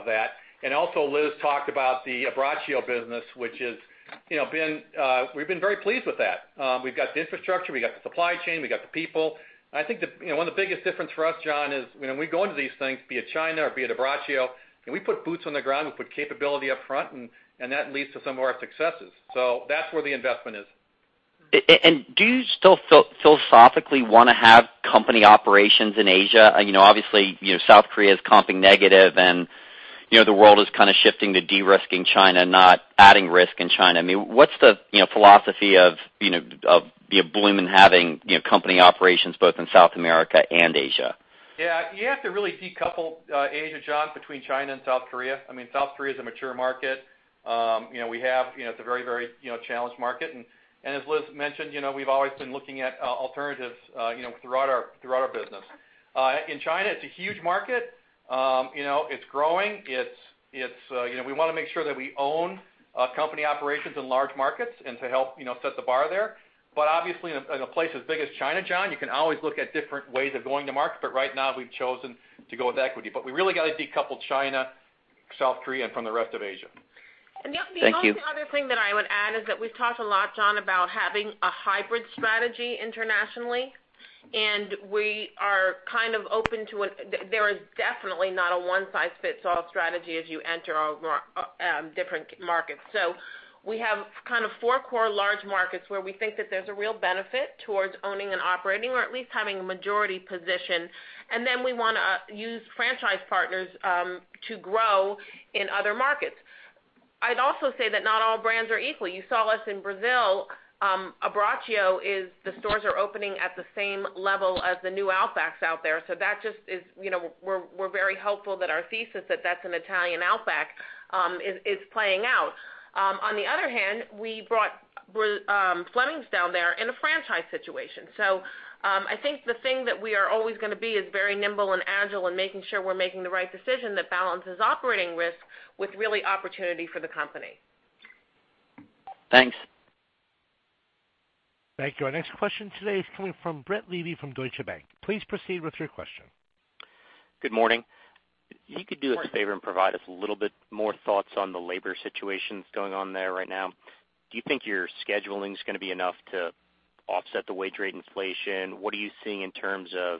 that. Liz talked about the Abbraccio business, which we've been very pleased with that. We've got the infrastructure, we got the supply chain, we got the people. I think one of the biggest difference for us, John, is when we go into these things, be it China or be it Abbraccio, and we put boots on the ground, we put capability up front, and that leads to some of our successes. That's where the investment is. Do you still philosophically want to have company operations in Asia? Obviously, South Korea is comping negative, and the world is shifting to de-risking China, not adding risk in China. What's the philosophy of Bloomin' in having company operations both in South America and Asia? Yeah. You have to really decouple Asia, John, between China and South Korea. South Korea is a mature market. It's a very challenged market. As Liz mentioned, we've always been looking at alternatives throughout our business. In China, it's a huge market. It's growing. We want to make sure that we own company operations in large markets and to help set the bar there. Obviously, in a place as big as China, John, you can always look at different ways of going to market, but right now we've chosen to go with equity. We really got to decouple China, South Korea from the rest of Asia. Thank you. The only other thing that I would add is that we've talked a lot, John, about having a hybrid strategy internationally, and we are open to it. There is definitely not a one-size-fits-all strategy as you enter different markets. We have four core large markets where we think that there's a real benefit towards owning and operating or at least having a majority position. Then we want to use franchise partners to grow in other markets. I'd also say that not all brands are equal. You saw us in Brazil. Abbraccio, the stores are opening at the same level as the new Outbacks out there. We're very hopeful that our thesis that that's an Italian Outback is playing out. On the other hand, we brought Fleming's down there in a franchise situation. I think the thing that we are always going to be is very nimble and agile in making sure we're making the right decision that balances operating risk with really opportunity for the company. Thanks. Thank you. Our next question today is coming from Brett Levy from Deutsche Bank. Please proceed with your question. Good morning. If you could do us a favor and provide us a little bit more thoughts on the labor situations going on there right now. Do you think your scheduling is going to be enough to offset the wage rate inflation? What are you seeing in terms of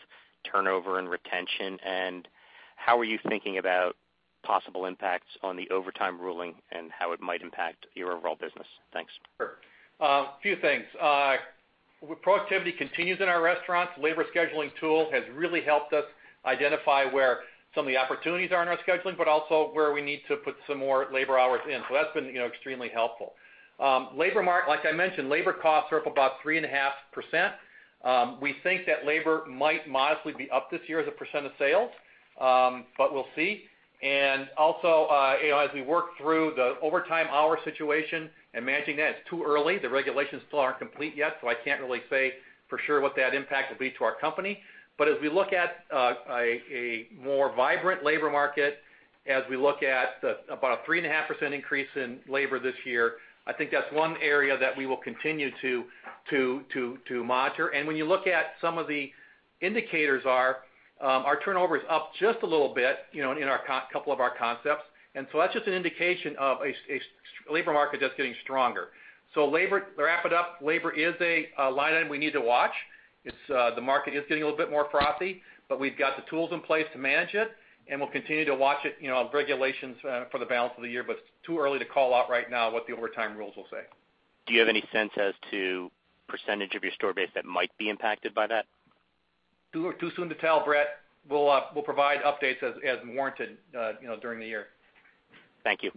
turnover and retention, and how are you thinking about possible impacts on the overtime ruling and how it might impact your overall business? Thanks. Sure. A few things. Proactivity continues in our restaurants. Labor scheduling tool has really helped us identify where some of the opportunities are in our scheduling, but also where we need to put some more labor hours in. That's been extremely helpful. Like I mentioned, labor costs are up about 3.5%. We think that labor might modestly be up this year as a % of sales, but we'll see. As we work through the overtime hour situation and managing that, it's too early. The regulations still aren't complete yet, so I can't really say for sure what that impact will be to our company. As we look at a more vibrant labor market, as we look at about a 3.5% increase in labor this year, I think that's one area that we will continue to monitor. When you look at some of the indicators are, our turnover is up just a little bit in a couple of our concepts. That's just an indication of a labor market that's getting stronger. To wrap it up, labor is a line item we need to watch. The market is getting a little bit more frothy, but we've got the tools in place to manage it, and we'll continue to watch it on regulations for the balance of the year, but it's too early to call out right now what the overtime rules will say. Do you have any sense as to % of your store base that might be impacted by that? Too soon to tell, Brett. We'll provide updates as warranted during the year. Thank you.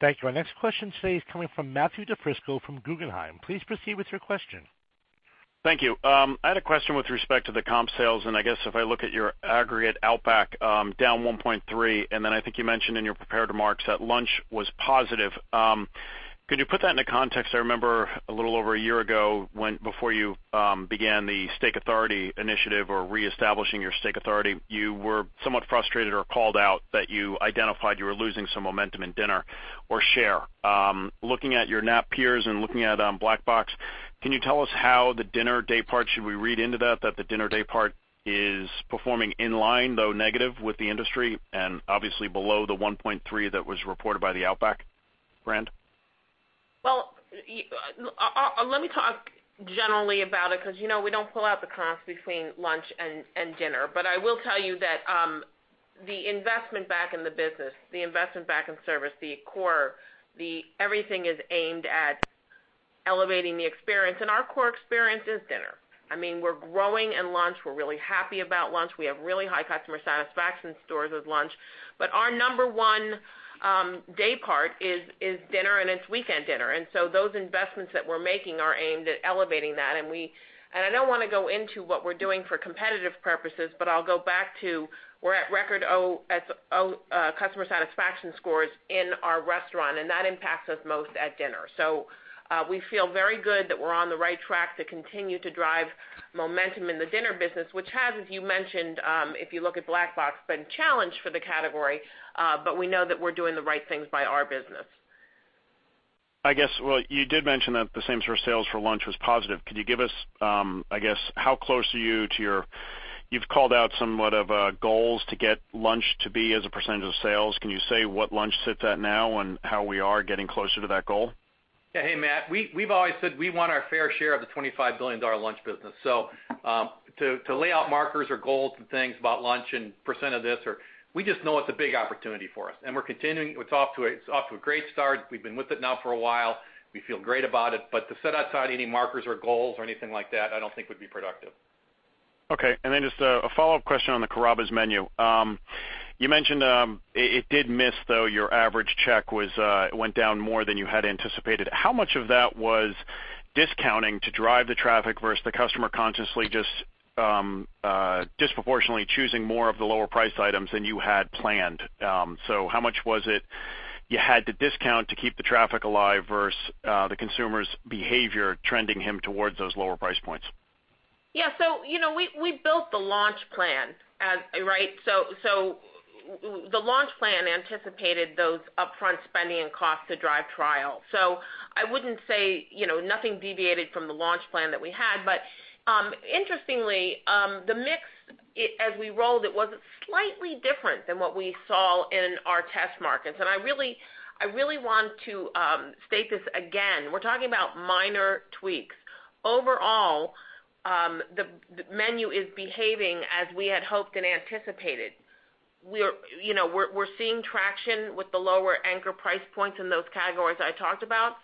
Thank you. Our next question today is coming from Matthew DiFrisco from Guggenheim. Please proceed with your question. Thank you. I had a question with respect to the comp sales. I guess if I look at your aggregate Outback, down 1.3%, then I think you mentioned in your prepared remarks that lunch was positive. Could you put that into context? I remember a little over a year ago, before you began the Steak Authority initiative or reestablishing your Steak Authority, you were somewhat frustrated or called out that you identified you were losing some momentum in dinner or share. Looking at your NAP peers and looking at Black Box, can you tell us how the dinner day part, should we read into that the dinner day part is performing in line, though negative with the industry and obviously below the 1.3% that was reported by the Outback brand? Well, let me talk generally about it, because we don't pull out the comps between lunch and dinner. I will tell you that the investment back in the business, the investment back in service, the core, everything is aimed at elevating the experience. Our core experience is dinner. We're growing in lunch. We're really happy about lunch. We have really high customer satisfaction scores with lunch. Our number one day part is dinner, and it's weekend dinner. So those investments that we're making are aimed at elevating that. I don't want to go into what we're doing for competitive purposes, but I'll go back to we're at record customer satisfaction scores in our restaurant, and that impacts us most at dinner. We feel very good that we're on the right track to continue to drive momentum in the dinner business, which has, as you mentioned, if you look at Black Box, been challenged for the category, but we know that we're doing the right things by our business. I guess, well, you did mention that the same store sales for lunch was positive. Could you give us, I guess, how close are you? You've called out somewhat of goals to get lunch to be as a percentage of sales. Can you say what lunch sits at now and how we are getting closer to that goal? Hey, Matt. We've always said we want our fair share of the $25 billion lunch business. To lay out markers or goals and things about lunch and % of this, we just know it's a big opportunity for us. We're continuing. It's off to a great start. We've been with it now for a while. We feel great about it. To set outside any markers or goals or anything like that, I don't think would be productive. Okay. Just a follow-up question on the Carrabba's menu. You mentioned it did miss, though, your average check went down more than you had anticipated. How much of that was discounting to drive the traffic versus the customer consciously just disproportionately choosing more of the lower priced items than you had planned? How much was it you had to discount to keep the traffic alive versus the consumer's behavior trending him towards those lower price points? Yeah. We built the launch plan. The launch plan anticipated those upfront spending and costs to drive trial. I wouldn't say nothing deviated from the launch plan that we had. Interestingly, the mix, as we rolled it, was slightly different than what we saw in our test markets. I really want to state this again. We're talking about minor tweaks. Overall, the menu is behaving as we had hoped and anticipated. We're seeing traction with the lower anchor price points in those categories I talked about.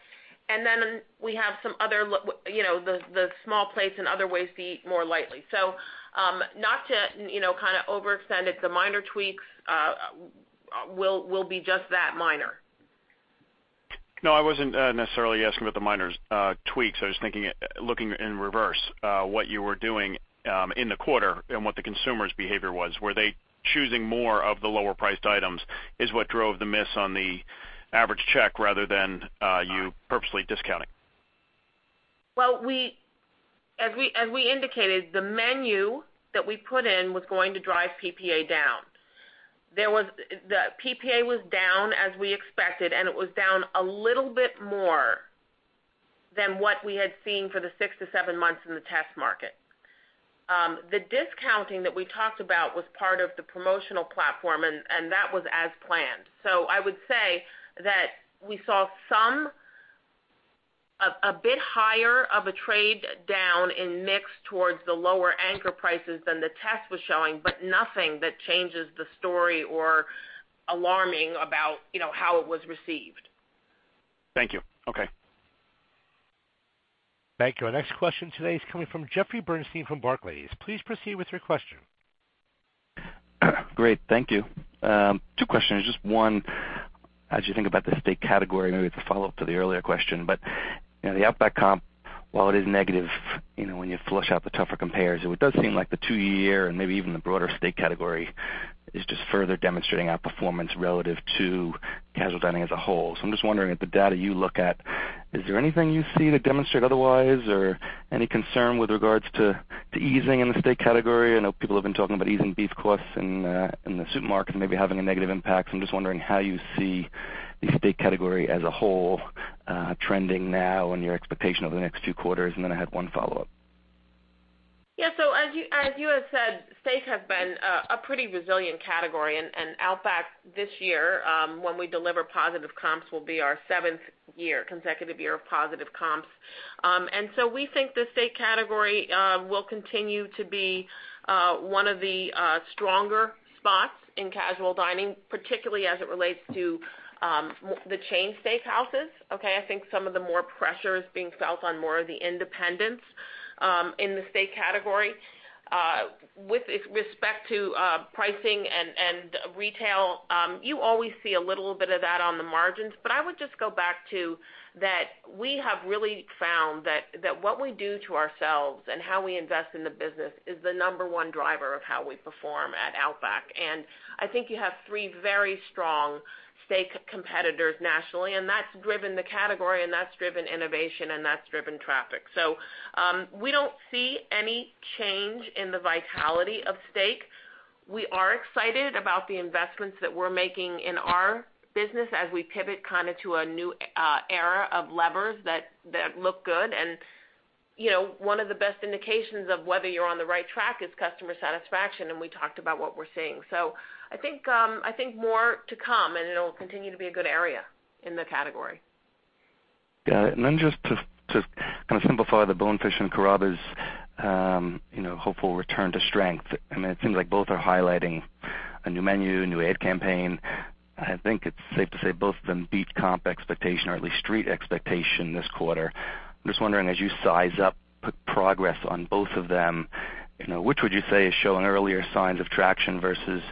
Then we have the small plates and other ways to eat more lightly. Not to overextend it, the minor tweaks will be just that, minor. No, I wasn't necessarily asking about the minor tweaks. I was thinking, looking in reverse, what you were doing in the quarter and what the consumer's behavior was. Were they choosing more of the lower-priced items is what drove the miss on the average check rather than you purposely discounting? Well, as we indicated, the menu that we put in was going to drive PPA down. The PPA was down as we expected, and it was down a little bit more than what we had seen for the six to seven months in the test market. The discounting that we talked about was part of the promotional platform, and that was as planned. I would say that we saw a bit higher of a trade down in mix towards the lower anchor prices than the test was showing, but nothing that changes the story or alarming about how it was received. Thank you. Okay. Thank you. Our next question today is coming from Jeffrey Bernstein from Barclays. Please proceed with your question. Great. Thank you. Two questions. Just one, as you think about the steak category, maybe it's a follow-up to the earlier question, but the Outback comp, while it is negative, when you flush out the tougher compares, it does seem like the two-year and maybe even the broader steak category is just further demonstrating outperformance relative to casual dining as a whole. I'm just wondering, at the data you look at, is there anything you see that demonstrate otherwise, or any concern with regards to easing in the steak category? I know people have been talking about easing beef costs in the supermarket maybe having a negative impact. I'm just wondering how you see the steak category as a whole trending now and your expectation over the next two quarters. Then I had one follow-up. As you have said, steak has been a pretty resilient category, and Outback this year, when we deliver positive comps, will be our seventh consecutive year of positive comps. We think the steak category will continue to be one of the stronger spots in casual dining, particularly as it relates to the chain steakhouses. Okay? I think some of the more pressure is being felt on more of the independents in the steak category. With respect to pricing and retail, you always see a little bit of that on the margins. I would just go back to that we have really found that what we do to ourselves and how we invest in the business is the number one driver of how we perform at Outback. I think you have three very strong steak competitors nationally, and that's driven the category, and that's driven innovation, and that's driven traffic. We don't see any change in the vitality of steak. We are excited about the investments that we're making in our business as we pivot to a new era of levers that look good. One of the best indications of whether you're on the right track is customer satisfaction, and we talked about what we're seeing. I think more to come, and it'll continue to be a good area in the category. Got it. Just to kind of simplify the Bonefish and Carrabba's hopeful return to strength, it seems like both are highlighting a new menu, a new ad campaign. I think it's safe to say both of them beat comp expectation or at least street expectation this quarter. I'm just wondering, as you size up progress on both of them, which would you say is showing earlier signs of traction versus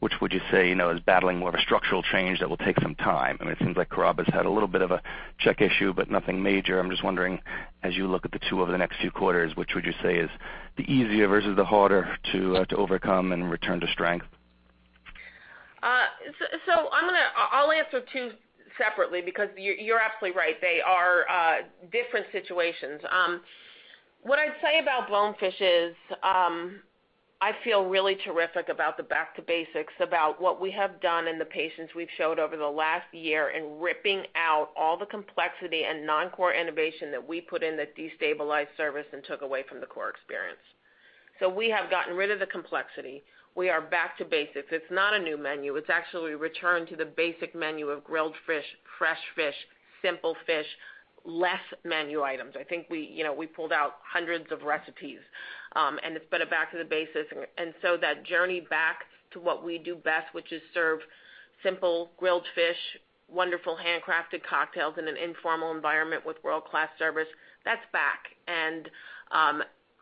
which would you say is battling more of a structural change that will take some time? It seems like Carrabba's had a little bit of a check issue, but nothing major. I'm just wondering, as you look at the two over the next few quarters, which would you say is the easier versus the harder to overcome and return to strength? I'll answer two separately because you're absolutely right. They are different situations. What I'd say about Bonefish is, I feel really terrific about the back to basics, about what we have done and the patience we've showed over the last year in ripping out all the complexity and non-core innovation that we put in that destabilized service and took away from the core experience. We have gotten rid of the complexity. We are back to basics. It's not a new menu. It's actually a return to the basic menu of grilled fish, fresh fish, simple fish, less menu items. I think we pulled out hundreds of recipes, and it's been a back to the basics. That journey back to what we do best, which is serve simple grilled fish, wonderful handcrafted cocktails in an informal environment with world-class service, that's back.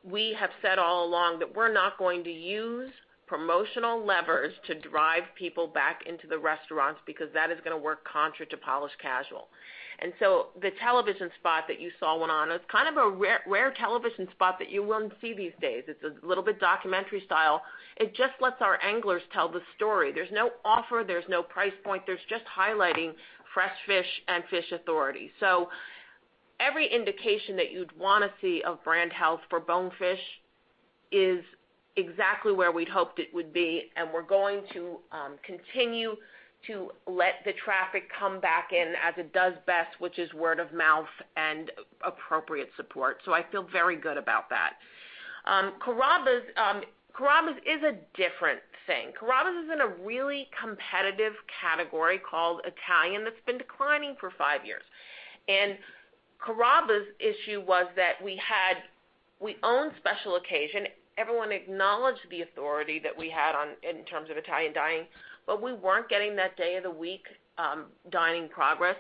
We have said all along that we're not going to use promotional levers to drive people back into the restaurants because that is going to work contra to polished casual. The television spot that you saw went on, it's kind of a rare television spot that you wouldn't see these days. It's a little bit documentary style. It just lets our anglers tell the story. There's no offer, there's no price point. There's just highlighting fresh fish and fish authority. Every indication that you'd want to see of brand health for Bonefish is exactly where we'd hoped it would be, and we're going to continue to let the traffic come back in as it does best, which is word of mouth and appropriate support. I feel very good about that. Carrabba's is a different thing. Carrabba's is in a really competitive category called Italian that's been declining for five years. Carrabba's issue was that we owned special occasion. Everyone acknowledged the authority that we had in terms of Italian dining, but we weren't getting that day-of-the-week dining progress.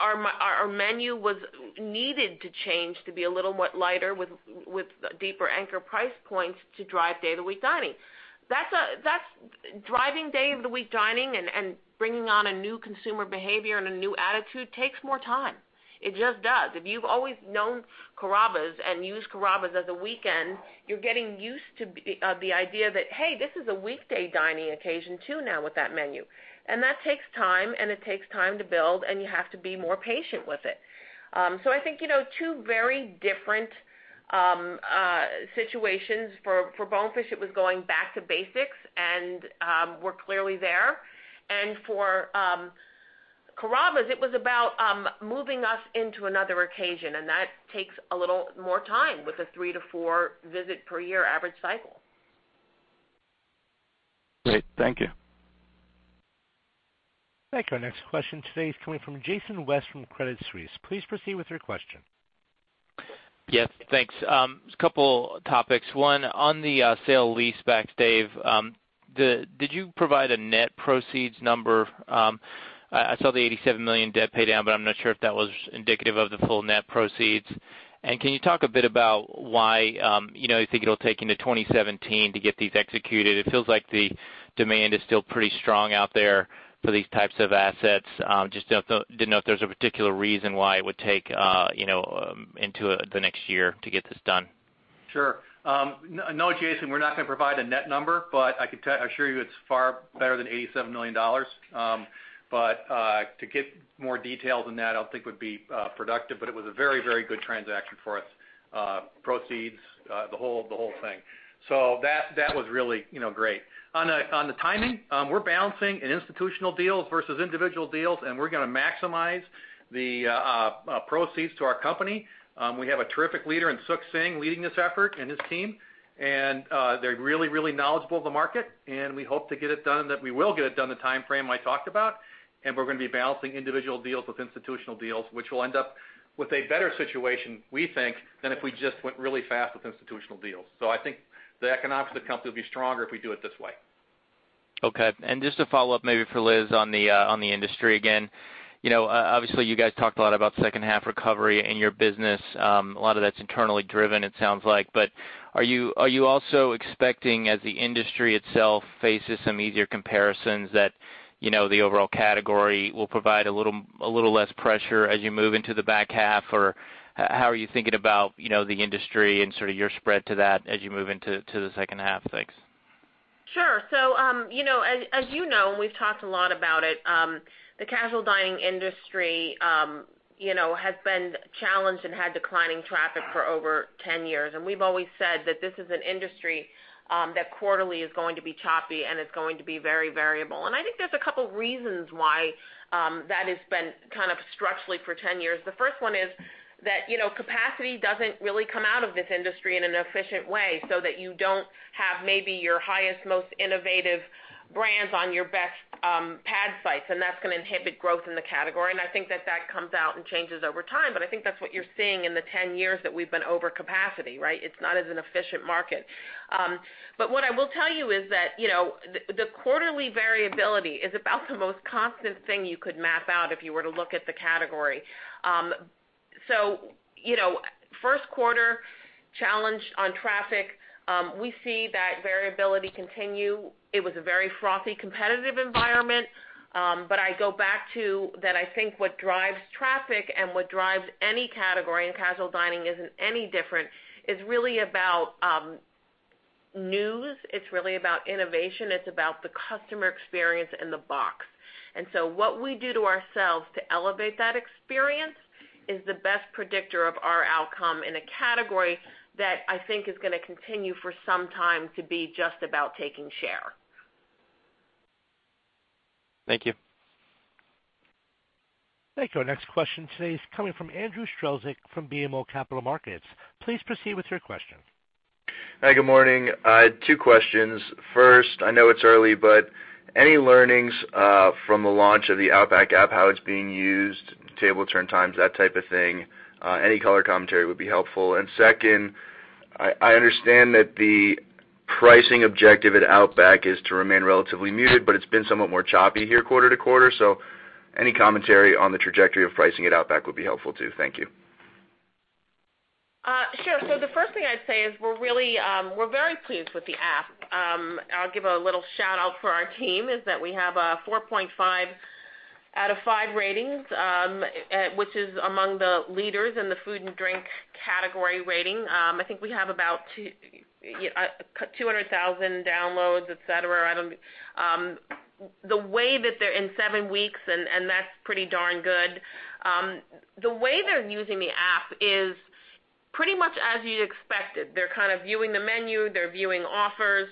Our menu was needed to change to be a little more lighter with deeper anchor price points to drive day-of-the-week dining. Driving day-of-the-week dining and bringing on a new consumer behavior and a new attitude takes more time. It just does. If you've always known Carrabba's and used Carrabba's as a weekend, you're getting used to the idea that, hey, this is a weekday dining occasion too now with that menu. That takes time, and it takes time to build, and you have to be more patient with it. I think, two very different situations. For Bonefish, it was going back to basics. We're clearly there. For Carrabba's, it was about moving us into another occasion, and that takes a little more time with a three to four visit per year average cycle. Great. Thank you. Thank you. Our next question today is coming from Jason West from Credit Suisse. Please proceed with your question. Yes, thanks. Just a couple topics. One, on the sale lease back, Dave, did you provide a net proceeds number? I saw the $87 million debt pay down, but I'm not sure if that was indicative of the full net proceeds. Can you talk a bit about why you think it'll take into 2017 to get these executed? It feels like the demand is still pretty strong out there for these types of assets. Just didn't know if there was a particular reason why it would take into the next year to get this done. No, Jason, we're not going to provide a net number, but I can assure you it's far better than $87 million. To give more detail than that, I don't think would be productive, but it was a very, very good transaction for us, proceeds, the whole thing. That was really great. On the timing, we're balancing an institutional deals versus individual deals, and we're going to maximize the proceeds to our company. We have a terrific leader in Sukhdev Singh leading this effort and his team, and they're really, really knowledgeable of the market, and we hope that we will get it done in the timeframe I talked about, and we're going to be balancing individual deals with institutional deals, which will end up with a better situation, we think, than if we just went really fast with institutional deals. I think the economics of the company will be stronger if we do it this way. Okay. Just to follow up, maybe for Liz on the industry again. Obviously, you guys talked a lot about second half recovery in your business. A lot of that's internally driven, it sounds like, but are you also expecting, as the industry itself faces some easier comparisons, that the overall category will provide a little less pressure as you move into the back half? How are you thinking about the industry and sort of your spread to that as you move into the second half? Thanks. Sure. As you know, and we've talked a lot about it, the casual dining industry has been challenged and had declining traffic for over 10 years. We've always said that this is an industry that quarterly is going to be choppy and it's going to be very variable. I think there's a couple reasons why that has been kind of structurally for 10 years. The first one is that capacity doesn't really come out of this industry in an efficient way, so that you don't have maybe your highest, most innovative brands on your best pad sites, and that's going to inhibit growth in the category. I think that that comes out and changes over time, but I think that's what you're seeing in the 10 years that we've been over capacity, right? It's not as an efficient market. What I will tell you is that the quarterly variability is about the most constant thing you could map out if you were to look at the category. First quarter challenged on traffic. We see that variability continue. It was a very frothy, competitive environment. I go back to that, I think what drives traffic and what drives any category, and casual dining isn't any different, is really about news. It's really about innovation. It's about the customer experience in the box. What we do to ourselves to elevate that experience is the best predictor of our outcome in a category that I think is going to continue for some time to be just about taking share. Thank you. Thank you. Our next question today is coming from Andrew Strelzik from BMO Capital Markets. Please proceed with your question. Hi, good morning. Two questions. First, I know it's early, but any learnings from the launch of the Outback app, how it's being used, table turn times, that type of thing? Any color commentary would be helpful. Second, I understand that the pricing objective at Outback is to remain relatively muted, but it's been somewhat more choppy here quarter-to-quarter. Any commentary on the trajectory of pricing at Outback would be helpful too. Thank you. Sure. The first thing I'd say is we're very pleased with the app. I'll give a little shout-out for our team, is that we have a 4.5 out of five ratings, which is among the leaders in the food and drink category rating. I think we have about 200,000 downloads, et cetera. In seven weeks, that's pretty darn good. The way they're using the app is pretty much as you expected. They're kind of viewing the menu, they're viewing offers.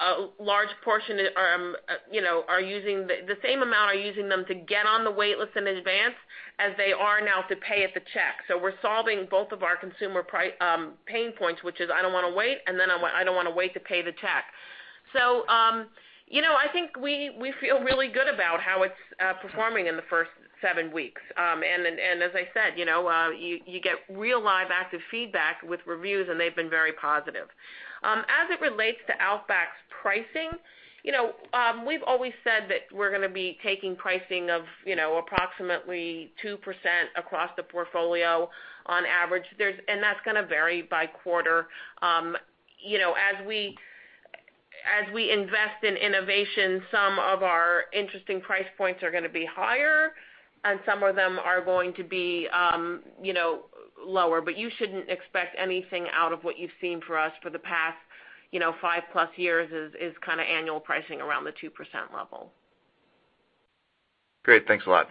A large portion are using the same amount, are using them to get on the waitlist in advance as they are now to pay at the check. We're solving both of our consumer pain points, which is, "I don't want to wait," "I don't want to wait to pay the check." I think we feel really good about how it's performing in the first seven weeks. As I said, you get real live, active feedback with reviews, and they've been very positive. As it relates to Outback's pricing, we've always said that we're going to be taking pricing of approximately 2% across the portfolio on average. That's going to vary by quarter. As we invest in innovation, some of our interesting price points are going to be higher and some of them are going to be lower. You shouldn't expect anything out of what you've seen for us for the past five-plus years is kind of annual pricing around the 2% level. Great. Thanks a lot.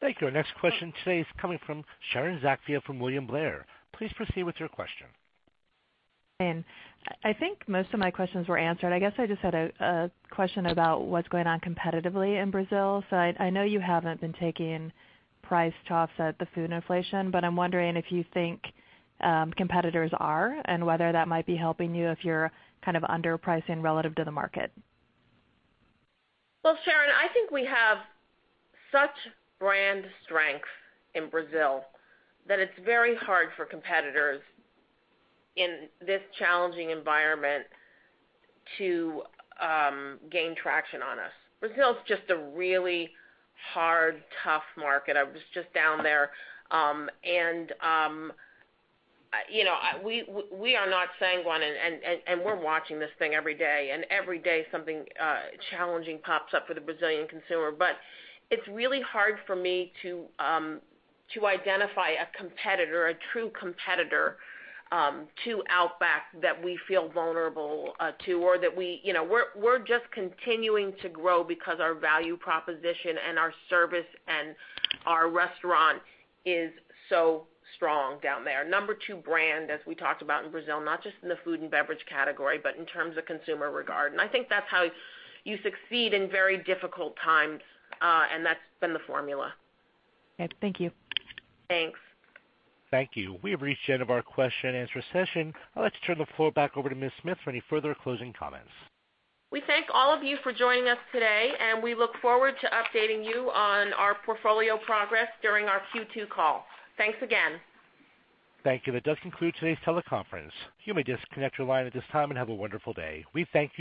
Thank you. Our next question today is coming from Sharon Zackfia from William Blair. Please proceed with your question. I think most of my questions were answered. I guess I just had a question about what's going on competitively in Brazil. I know you haven't been taking price chops at the food inflation, but I'm wondering if you think competitors are and whether that might be helping you if you're kind of underpricing relative to the market. Well, Sharon, I think we have such brand strength in Brazil that it's very hard for competitors in this challenging environment to gain traction on us. Brazil is just a really hard, tough market. I was just down there. We are not sanguine, and we're watching this thing every day, and every day something challenging pops up for the Brazilian consumer. It's really hard for me to identify a true competitor to Outback that we feel vulnerable to or that we're just continuing to grow because our value proposition and our service and our restaurant is so strong down there. Number two brand, as we talked about in Brazil, not just in the food and beverage category, but in terms of consumer regard. I think that's how you succeed in very difficult times. That's been the formula. Thank you. Thanks. Thank you. We have reached the end of our question and answer session. I'd like to turn the floor back over to Ms. Smith for any further closing comments. We thank all of you for joining us today, and we look forward to updating you on our portfolio progress during our Q2 call. Thanks again. Thank you. That does conclude today's teleconference. You may disconnect your line at this time and have a wonderful day. We thank you.